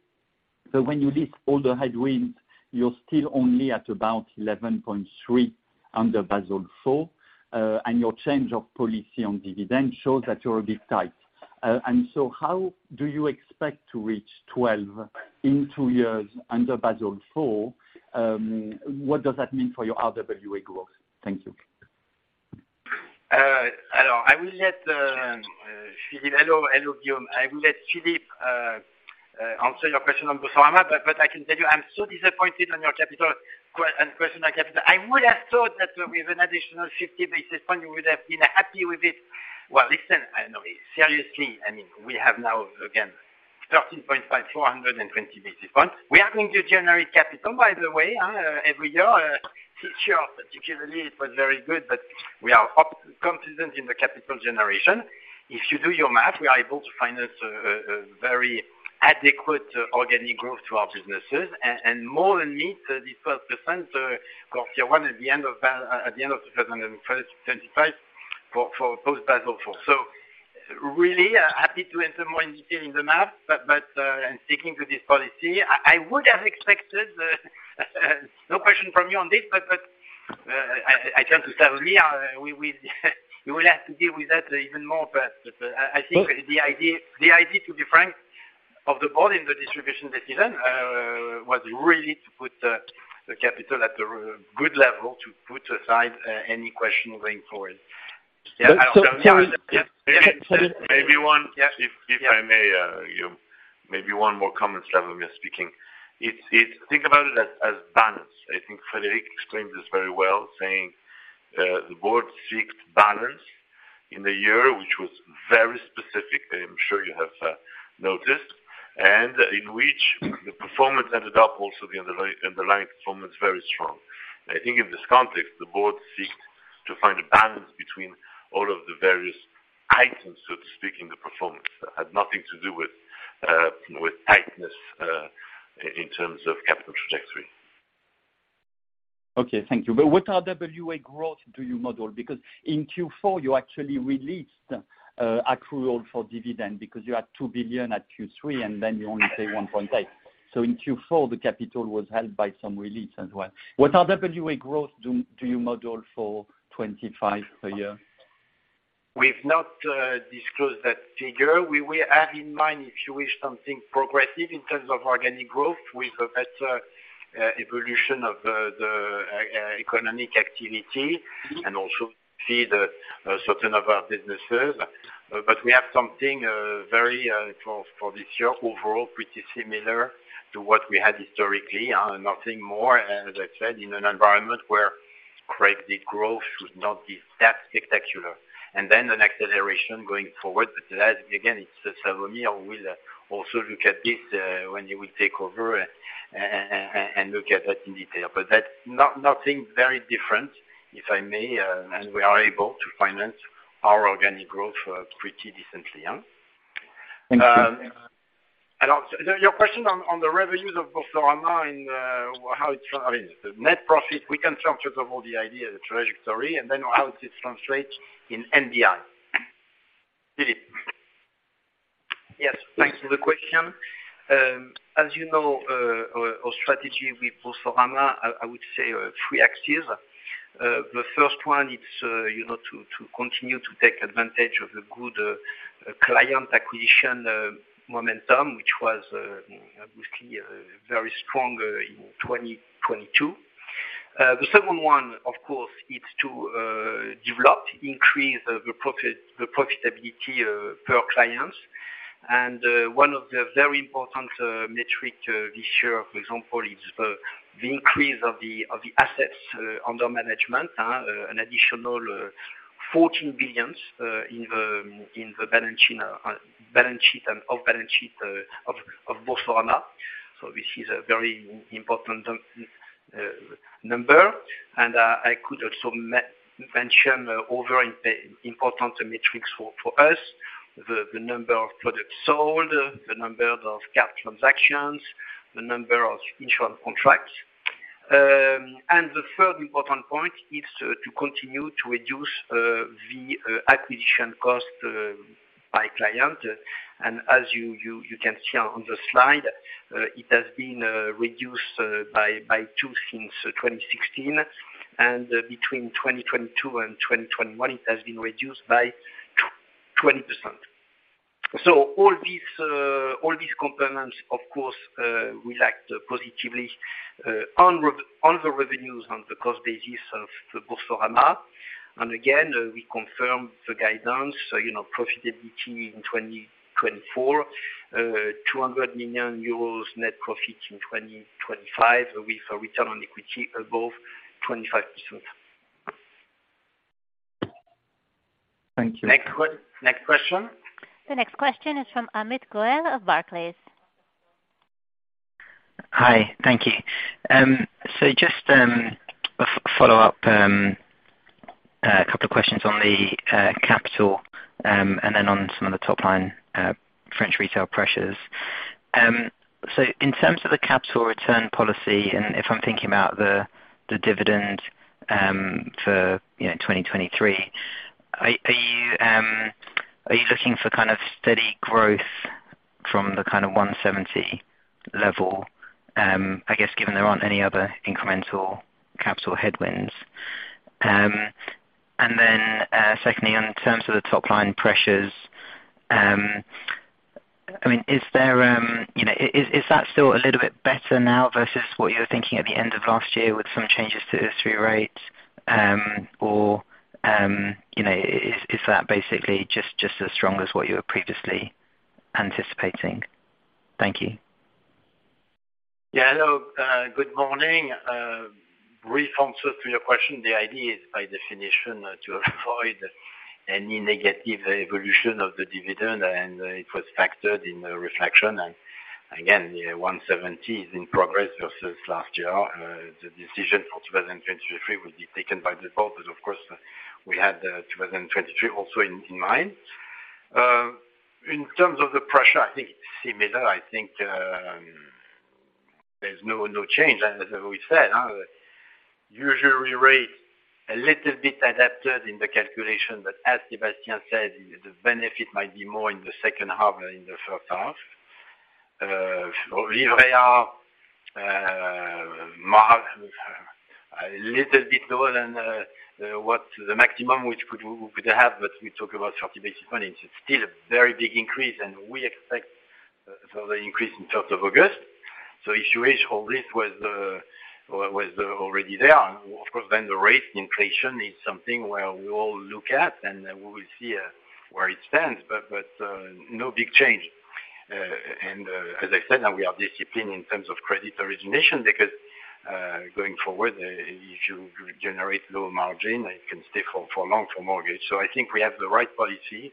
When you list all the headwinds, you're still only at about 11.3% under Basel IV. Your change of policy on dividend shows that you're a bit tight. How do you expect to reach 12 in two years under Basel IV? What does that mean for your RWA growth? Thank you. Hello. I will let Philippe answer your question on Boursorama, but I can tell you I'm so disappointed on your capital, on personal capital. I would have thought that with an additional 50 basis point, you would have been happy with it. Well, listen, I know. Seriously, I mean, we have now, again, 13.5 420 basis points. We are going to generate capital, by the way, every year. This year particularly it was very good, but we are confident in the capital generation. If you do your math, we are able to finance a very adequate organic growth to our businesses and more than meet the 12% cohort one at the end of at the end of 2025 for post Basel IV. Really happy to enter more in detail in the math, but and sticking to this policy, I would have expected, no question from you on this, but I come to tell me, we you will have to deal with that even more. I think the idea to be frank of the board in the distribution decision was really to put the capital at a good level to put aside any question going forward. Yeah. Maybe one- Yes. If I may, Guillaume, maybe one more comment, Slavomir speaking. It's. Think about it as balance. I think Frederic explained this very well, saying, the board seeked balance in the year, which was very specific, I am sure you have noticed, and in which the performance ended up also the underlying performance very strong. I think in this context, the board seeked to find a balance between all of the various items, so to speak, in the performance. That had nothing to do with tightness, in terms of capital trajectory. Okay. Thank you. What RWA growth do you model? In Q4, you actually released accrual for dividend because you had 2 billion at Q3, and then you only pay 1.8 billion. In Q4, the capital was held by some release as well. What RWA growth do you model for 25 per year? We've not disclosed that figure. We will have in mind, if you wish, something progressive in terms of organic growth with a better evolution of the economic activity and also see the certain of our businesses. We have something very for this year, overall pretty similar to what we had historically, nothing more, as I said, in an environment where credit growth should not be that spectacular. Then an acceleration going forward. That, again, it's Salomie will also look at this when he will take over and look at that in detail. That's nothing very different, if I may, and we are able to finance our organic growth pretty decently, yeah. Thank you. your question on the revenues of Boursorama and the net profit, we can talk through the whole, the idea, the trajectory, and then how it translates in NBI. Philippe? Yes, thanks for the question. As you know, our strategy with Boursorama, I would say are three axes. The first one, it's to continue to take advantage of the good client acquisition momentum, which was obviously very strong in 2022. The second one, of course, it's to develop, increase the profitability per clients. One of the very important metric this year, for example, is the increase of the assets under management. An additional 14 billion in the balance sheet and off balance sheet of Boursorama. This is a very important number. I could also mention other important metrics for us, the number of products sold, the number of card transactions, the number of insurance contracts. The third important point is to continue to reduce the acquisition cost by client. As you can see on the slide, it has been reduced by two since 2016. Between 2022 and 2021, it has been reduced by 20%. All these components, of course, will act positively on the revenues on the cost basis of Boursorama. Again, we confirm the guidance, you know, profitability in 2024, 200 million euros net profit in 2025, with a return on equity above 25%. Thank you. Next question. The next question is from Amit Goel of Barclays. Hi. Thank you. Just a follow-up, a couple of questions on the capital, and then on some of the top line French retail pressures. In terms of the capital return policy, and if I'm thinking about the dividend, for, you know, 2023, are you looking for kind of steady growth from the kind of 1.70 level, I guess given there aren't any other incremental capital headwinds? Secondly, on terms of the top line pressures, I mean, is there, you know, is that still a little bit better now versus what you were thinking at the end of last year with some changes to usury rates, or, you know, is that basically just as strong as what you were previously anticipating? Thank you. Yeah. Hello. Good morning. Brief answer to your question. The idea is by definition to avoid any negative evolution of the dividend. It was factored in the reflection. Again, yeah, 170 is in progress versus last year. The decision for 2023 will be taken by the board, of course, we had 2023 also in mind. In terms of the pressure, I think it's similar. I think there's no change. As we said, usury rate a little bit adapted in the calculation. As Sébastien said, the benefit might be more in the second half than in the first half. Livret A a little bit lower than what the maximum we could have, but we talk about 30 basis points. It's still a very big increase. We expect further increase in terms of August. If you wish, all this was already there. Of course, then the rate inflation is something where we all look at, and we will see where it stands. No big change. As I said, we are disciplined in terms of credit origination because going forward, if you generate low margin, it can stay for long for mortgage. I think we have the right policy,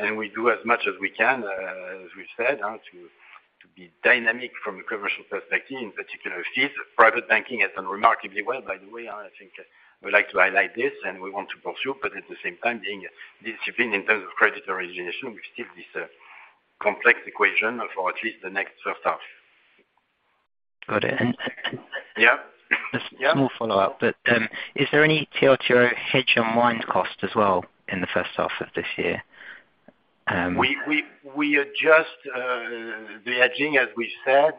and we do as much as we can, as we've said, to be dynamic from a commercial perspective, in particular fees. Private banking has done remarkably well, by the way. I think I would like to highlight this, and we want to pursue, but at the same time, being disciplined in terms of credit origination with still this, complex equation for at least the next first half. Got it. Yeah. Yeah. Just small follow-up. Is there any TLTRO hedge unwind cost as well in the first half of this year? We adjust the hedging as we said,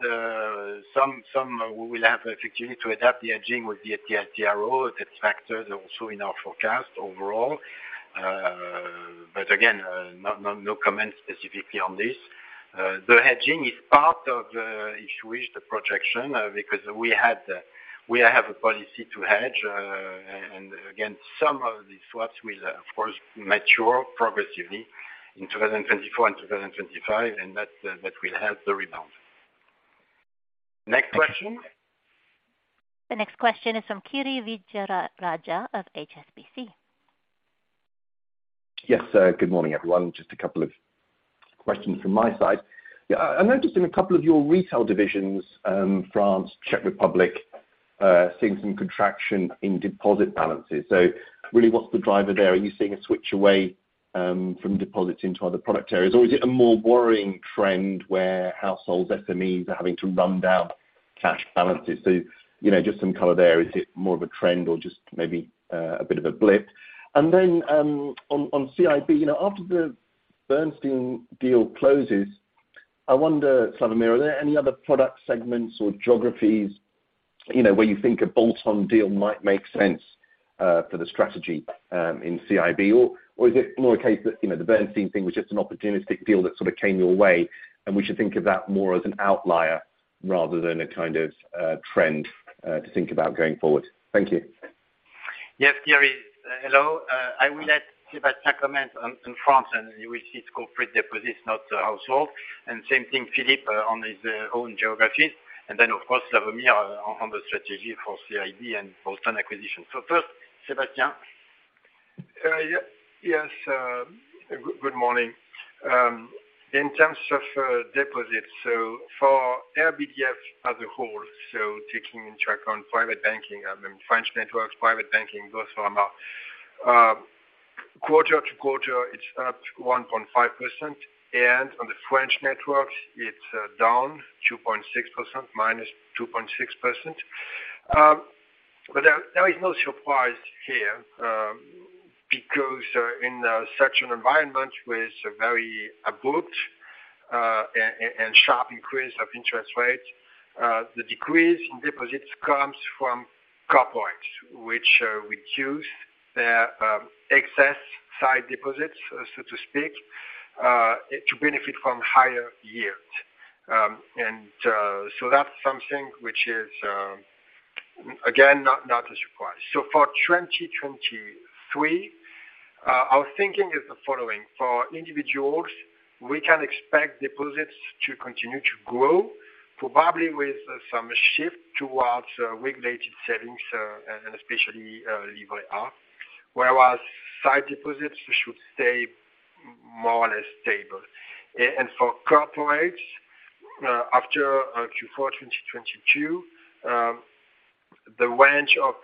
some we will have effectively to adapt the hedging with the TLTRO that's factored also in our forecast overall. Again, no comment specifically on this. The hedging is part of the issue is the projection, because we have a policy to hedge, again, some of the swaps will of course mature progressively in 2024 and 2025, that will help the rebound. Next question. The next question is from Kiri Vijayarajah of HSBC. Yes, sir. Good morning, everyone. Just a couple of questions from my side. I noticed in a couple of your retail divisions, France, Czech Republic, seeing some contraction in deposit balances. Really, what's the driver there? Are you seeing a switch away from deposits into other product areas? Is it a more worrying trend where households, SMEs are having to run down cash balances? You know, just some color there. Is it more of a trend or just maybe a bit of a blip? On CIB, you know, after the Bernstein deal closes, I wonder, Slavomir, are there any other product segments or geographies, you know, where you think a bolt-on deal might make sense for the strategy in CIB? Is it more a case that, you know, the Bernstein thing was just an opportunistic deal that sort of came your way, and we should think of that more as an outlier rather than a kind of, trend to think about going forward? Thank you. Yes, Kiri. Hello. I will let Sebastian comment on France, and you will see it's corporate deposits, not household. Same thing, Philippe, on his own geographies. Then, of course, Slawomir on the strategy for CIB and bolt-on acquisition. First, Sebastian. Yes. Yes, good morning. In terms of deposits, for BDDF as a whole, taking in track on private banking, I mean, French networks, private banking, both for about quarter-over-quarter, it's up 1.5%, and on the French network, it's down 2.6%, -2.6%. There is no surprise here because in such an environment with a very abrupt and sharp increase of interest rates, the decrease in deposits comes from corporates, which reduce their excess side deposits, so to speak, to benefit from higher yields. That's something which is again not a surprise. For 2023, our thinking is the following. For individuals, we can expect deposits to continue to grow, probably with some shift towards regulated savings, and especially Livret A, whereas side deposits should stay more or less stable. For corporates, after Q4 2022, the range of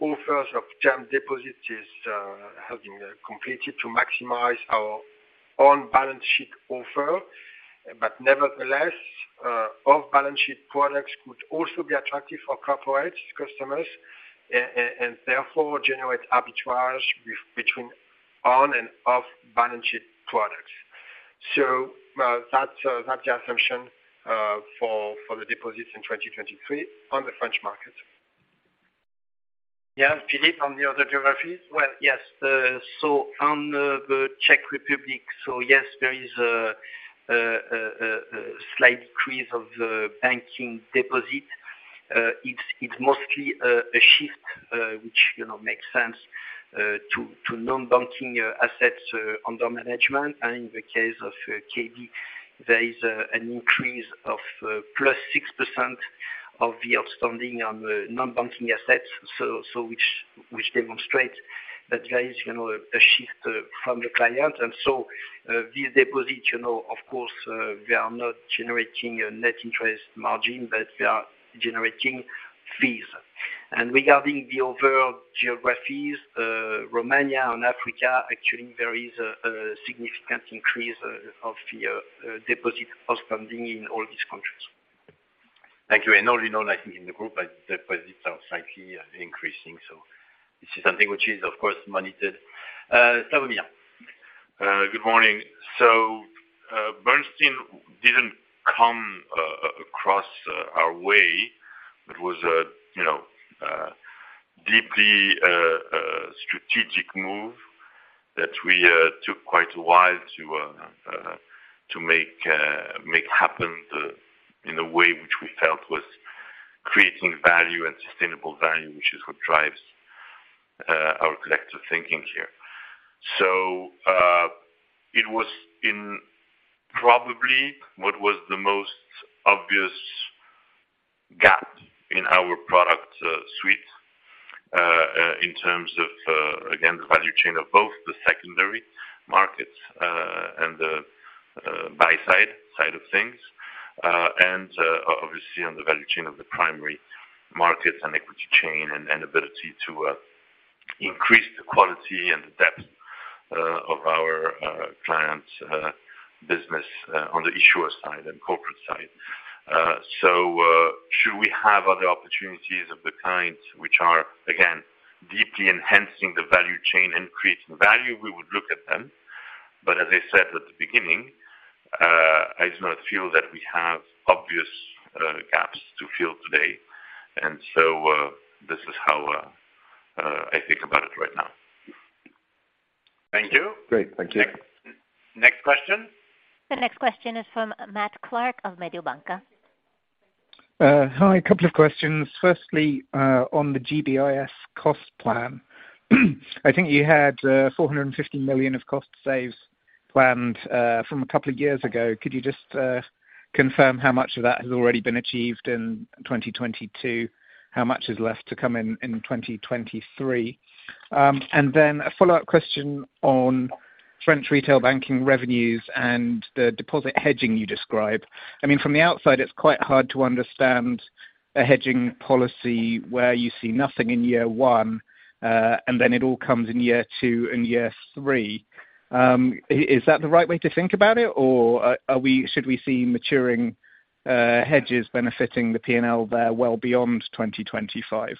offers of term deposits has been completed to maximize our on-balance sheet offer. Nevertheless, off-balance sheet products could also be attractive for corporate customers and therefore generate arbitrage between on and off-balance sheet products. That's the assumption for the deposits in 2023 on the French market. Yeah. Philippe, on the other geographies? Well, yes. On the Czech Republic, yes, there is a slight decrease of banking deposit. It's mostly a shift, which, you know, makes sense, to non-banking assets under management. In the case of KB, there is an increase of +6% of the outstanding on the non-banking assets. Which demonstrates that there is, you know, a shift from the client. These deposits, you know, of course, they are not generating a net interest margin, but they are generating fees. Regarding the overall geographies, Romania and Africa, actually, there is a significant increase of the deposit outstanding in all these countries. Thank you. All in all, I think in the group, deposits are slightly increasing. This is something which is of course, monitored. Slawomir. Good morning. Bernstein didn't come across our way. It was a, you know, deeply strategic move that we took quite a while to make happen the, in a way which we felt was creating value and sustainable value, which is what drives our collective thinking here. It was in probably what was the most obvious gap in our product suite in terms of again, the value chain of both the secondary markets and the buy side of things and obviously on the value chain of the primary markets and equity chain and ability to increase the quality and the depth of our clients'. Business on the issuer side and corporate side. Should we have other opportunities of the kind which are, again, deeply enhancing the value chain and creating value, we would look at them. But as I said at the beginning, I do not feel that we have obvious gaps to fill today. This is how I think about it right now. Thank you. Great. Thank you. Next question. The next question is from Matthew Clark of Mediobanca. Hi. A couple of questions. Firstly, on the GBIS cost plan, I think you had 450 million of cost saves planned from a couple of years ago. Could you just confirm how much of that has already been achieved in 2022? How much is left to come in 2023? A follow-up question on French retail banking revenues and the deposit hedging you describe. I mean, from the outside, it's quite hard to understand a hedging policy where you see nothing in year one, and then it all comes in year two and year three. Is that the right way to think about it, or should we see maturing hedges benefiting the P&L there well beyond 2025?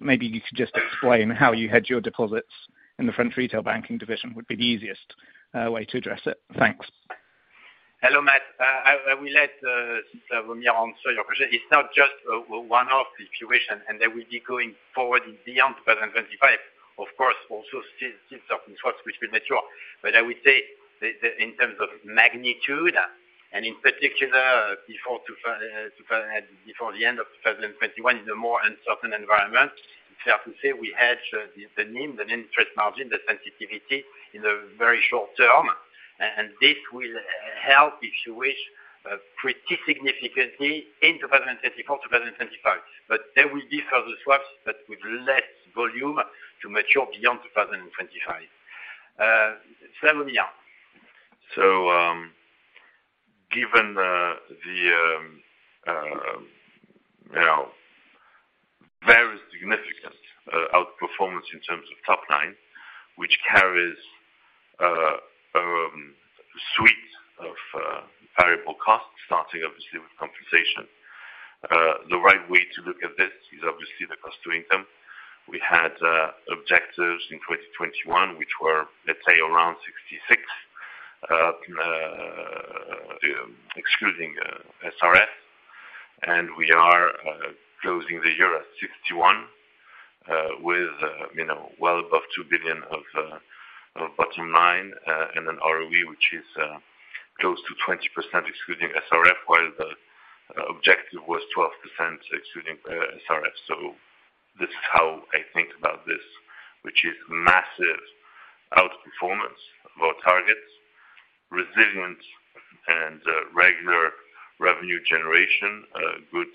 Maybe you could just explain how you hedge your deposits in the French retail banking division, would be the easiest way to address it. Thanks. Hello, Matt. I will let Slawomir answer your question. It's not just a one-off situation, and they will be going forward beyond 2025. Of course, also still certain swaps which will mature. I would say the in terms of magnitude, and in particular, before the end of 2021, in a more uncertain environment, it's fair to say we hedged the NIM, the net interest margin, the sensitivity, in the very short term. This will help, if you wish, pretty significantly in 2024, 2025. There will be further swaps, but with less volume, to mature beyond 2025. Slawomir? Given, you know, very significant outperformance in terms of top line, which carries suite of variable costs, starting obviously with compensation, the right way to look at this is obviously the cost to income. We had objectives in 2021, which were, let's say, around 66% excluding SRF. We are closing the year at 61% with, you know, well above 2 billion of bottom line and an ROE, which is close to 20% excluding SRF, while the objective was 12% excluding SRF. This is how I think about this, which is massive outperformance of our targets, resilient and regular revenue generation, good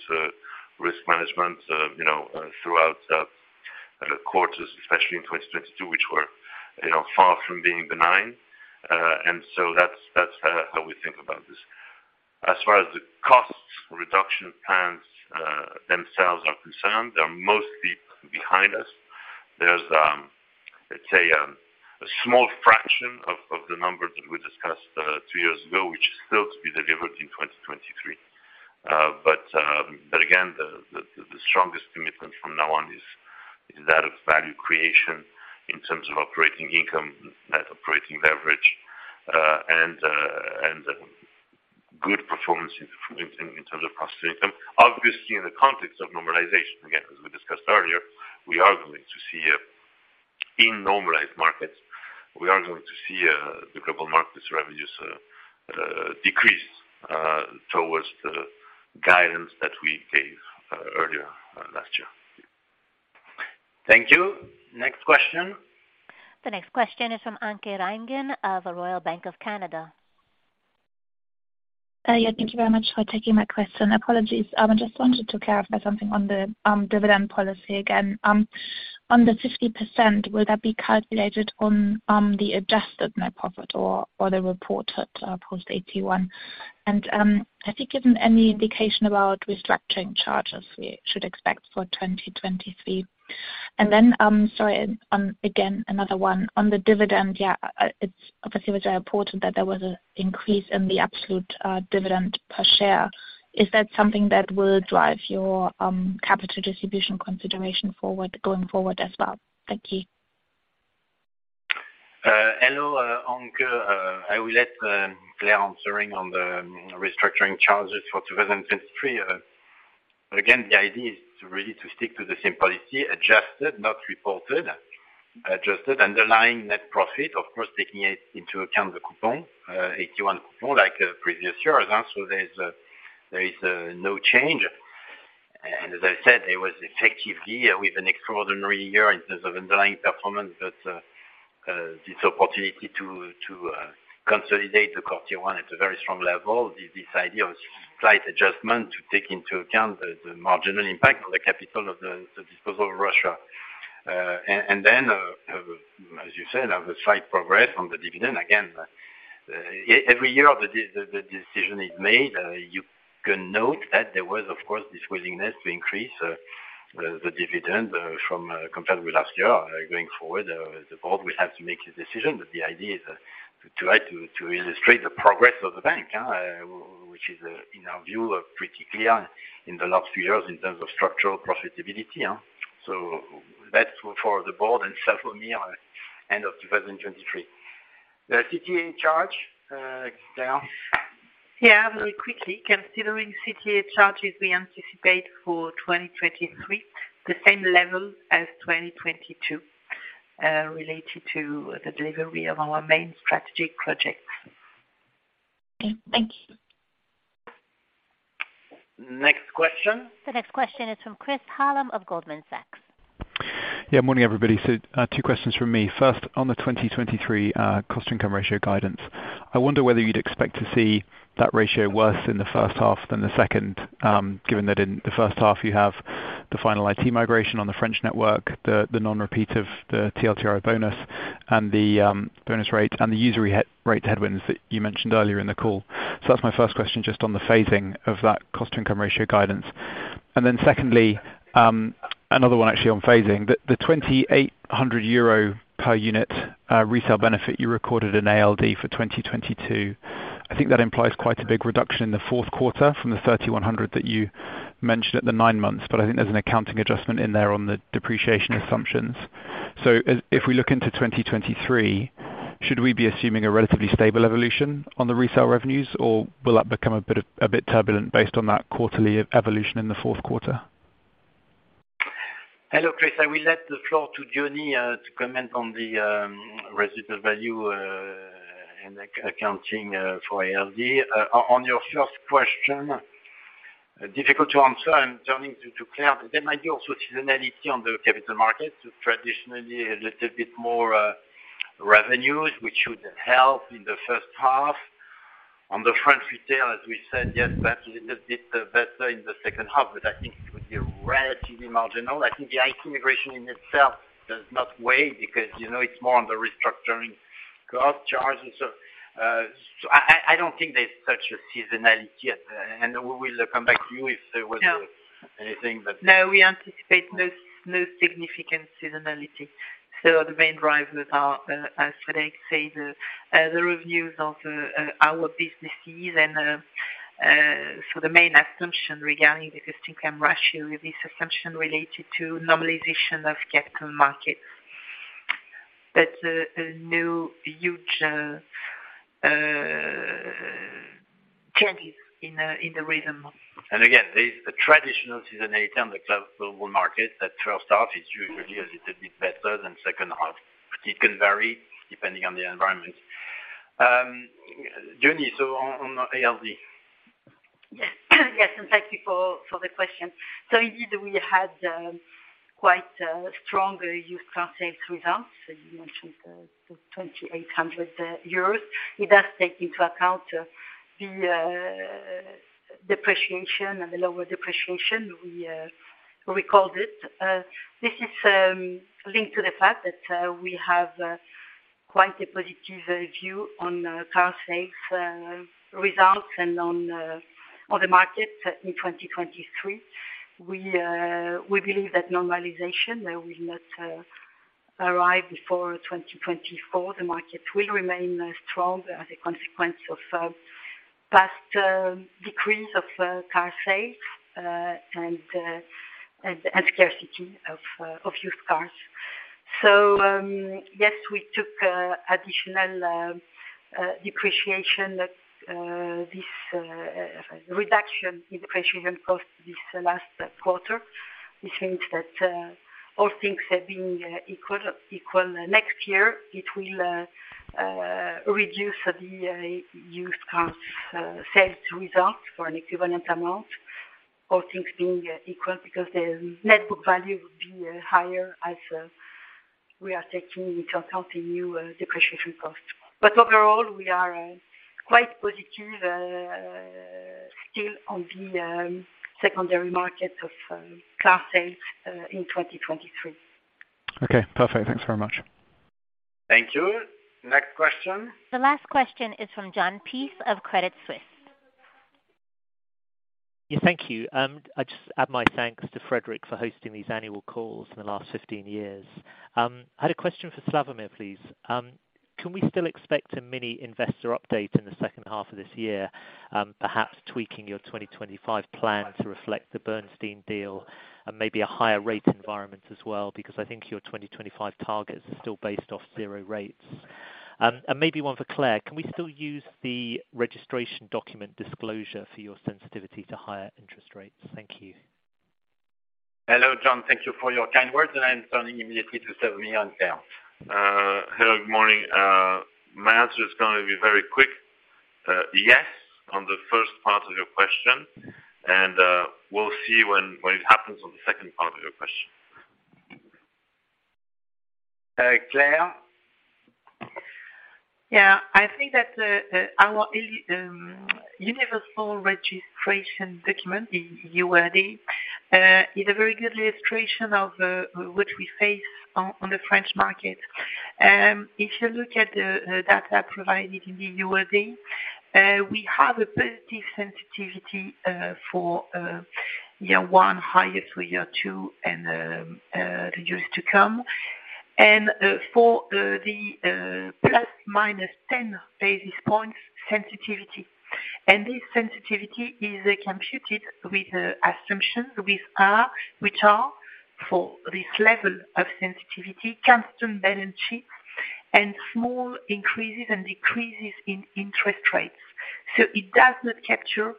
risk management, you know, throughout the quarters, especially in 2022, which were, you know, far from being benign. That's, that's how we think about this. As far as the cost reduction plans themselves are concerned, they're mostly behind us. There's, let's say, a small fraction of the numbers that we discussed two years ago, which still to be delivered in 2023. Again, the strongest commitment from now on is that of value creation in terms of operating income, net operating leverage, and good performance in terms of cost to income, obviously in the context of normalization. Again, as we discussed earlier, we are going to see in normalized markets, we are going to see the global markets revenues decrease towards the guidance that we gave earlier last year. Thank you. Next question. The next question is from Anke Reingen of Royal Bank of Canada. Yeah, thank you very much for taking my question. Apologies. I just wanted to clarify something on the dividend policy again. On the 50%, will that be calculated on the adjusted net profit or the reported post AT1? Have you given any indication about restructuring charges we should expect for 2023? Sorry, again, another one on the dividend. Yeah, it's obviously very important that there was a increase in the absolute dividend per share. Is that something that will drive your capital distribution consideration forward, going forward as well? Thank you. Hello, Anke. I will let Claire answering on the restructuring charges for 2023. Again, the idea is really to stick to the same policy, adjusted, not reported, adjusted underlying net profit, of course, taking into account the coupon, AT1 coupon, like previous years. There is no change. As I said, it was effectively with an extraordinary year in terms of underlying performance that this opportunity to consolidate the Core Tier 1 at a very strong level, this idea of slight adjustment to take into account the marginal impact on the capital of the disposal of Russia. Then, as you said, have a slight progress on the dividend. Again, every year the decision is made. You can note that there was, of course, this willingness to increase the dividend, from compared with last year, going forward, the board will have to make a decision, but the idea is to try to illustrate the progress of the bank, which is in our view, pretty clear in the last few years in terms of structural profitability. That's for the board and Slavomir end of 2023. The CTA charge, Claire? Yeah, very quickly. Considering CTA charges, we anticipate for 2023, the same level as 2022, related to the delivery of our main strategic projects. Okay, thank you. Next question. The next question is from Chris Hallam of Goldman Sachs. Morning, everybody. Two questions from me. First, on the 2023 cost-to-income ratio guidance, I wonder whether you'd expect to see that ratio worse in the first half than the second, given that in the first half you have the final IT migration on the French network, the non-repeat of the TLTRO bonus and the bonus rate and the usury rate headwinds that you mentioned earlier in the call? That's my first question, just on the phasing of that cost-to-income ratio guidance. Secondly, another one actually on phasing. The 2,800 euro per unit resale benefit you recorded in ALD for 2022, I think that implies quite a big reduction in the Q4 from the 3,100 that you mentioned at the nine months. I think there's an accounting adjustment in there on the depreciation assumptions. If we look into 2023, should we be assuming a relatively stable evolution on the resale revenues or will that become a bit turbulent based on that quarterly evolution in the Q4? Hello, Chris. I will let the floor to Joni to comment on the residual value and accounting for ALD. On your first question, difficult to answer. I'm turning to Claire. There might be also seasonality on the capital markets, traditionally a little bit more revenues, which should help in the first half. On the French retail, as we said, yes, that's a little bit better in the second half, but I think it would be relatively marginal. I think the IT migration in itself does not weigh because, you know, it's more on the restructuring cost charges. So I don't think there's such a seasonality, and we will come back to you if there was anything. No, we anticipate no significant seasonality. The main drivers are, as Frédéric said, the reviews of our businesses and so the main assumption regarding the cost-income ratio is this assumption related to normalization of capital markets. No huge changes in the rhythm. Again, there's a traditional seasonality on the global market that first half is usually a little bit better than second half. It can vary depending on the environment. Joni, so on ALD. Yes. Yes, thank you for the question. Indeed, we had quite a strong used car sales results. You mentioned the 2,800 euros. It does take into account the depreciation and the lower depreciation we called it. This is linked to the fact that we have quite a positive view on car sales results and on the market in 2023. We believe that normalization will not arrive before 2024. The market will remain strong as a consequence of past decrease of car sales and scarcity of used cars. Yes, we took additional depreciation that this reduction in depreciation cost this last quarter. Which means that, all things have been equal next year, it will reduce the used cars sales results for an equivalent amount, all things being equal, because the net book value will be higher as we are taking into account the new depreciation cost. Overall, we are quite positive still on the secondary market of car sales in 2023. Okay, perfect. Thanks very much. Thank you. Next question. The last question is from Jon Peace of Credit Suisse. Thank you. I'll just add my thanks to Frédéric for hosting these annual calls for the last 15 years. I had a question for Slawomir, please. Can we still expect a mini investor update in the second half of this year, perhaps tweaking your 2025 plan to reflect the Bernstein deal and maybe a higher rate environment as well? I think your 2025 targets are still based off 0 rates. Maybe one for Claire. Can we still use the registration document disclosure for your sensitivity to higher interest rates? Thank you. Hello, Jon. Thank you for your kind words, and I am turning immediately to Slawomir and Claire. Hello, good morning. My answer is going to be very quick. Yes, on the first part of your question, and, we'll see when it happens on the second part of your question. Claire? Yeah. I think that our universal registration document, the URD, is a very good illustration of what we face on the French market. If you look at the data provided in the URD, we have a positive sensitivity for year one, highest for year two and the years to come. For the plus minus 10 basis points sensitivity. This sensitivity is computed with assumptions which are for this level of sensitivity, constant balance sheets and small increases and decreases in interest rates. It does not capture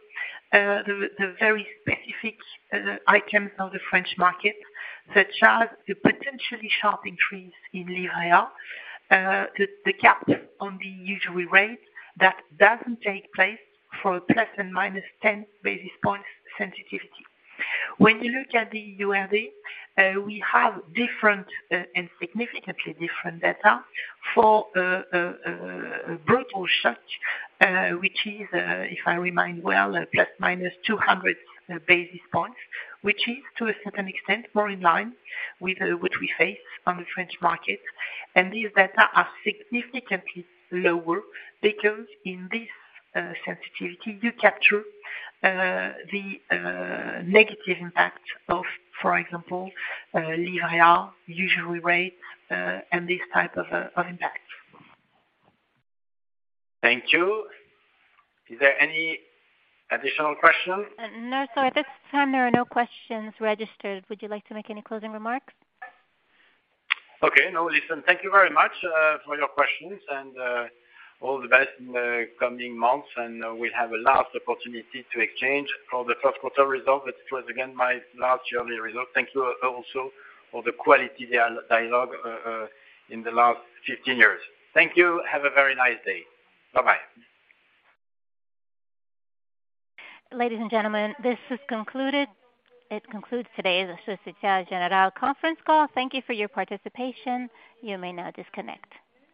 the very specific items of the French market, such as the potentially sharp increase in the cap on the usury rate that doesn't take place for plus and minus 10 basis points sensitivity. When you look at the URD, we have different, and significantly different data for brutal shock, which is, if I remind well, ±200 basis points, which is, to a certain extent, more in line with what we face on the French market. These data are significantly lower because in this sensitivity, you capture the negative impact of, for example, usury rate, and this type of impact. Thank you. Is there any additional questions? No, sir. At this time, there are no questions registered. Would you like to make any closing remarks? Okay. No. Listen, thank you very much for your questions and all the best in the coming months. We'll have a last opportunity to exchange for the Q1 results. It was again my last yearly result. Thank you also for the quality dialogue in the last 15 years. Thank you. Have a very nice day. Bye-bye. Ladies and gentlemen, this has concluded. It concludes today's Société Générale conference call. Thank you for your participation. You may now disconnect.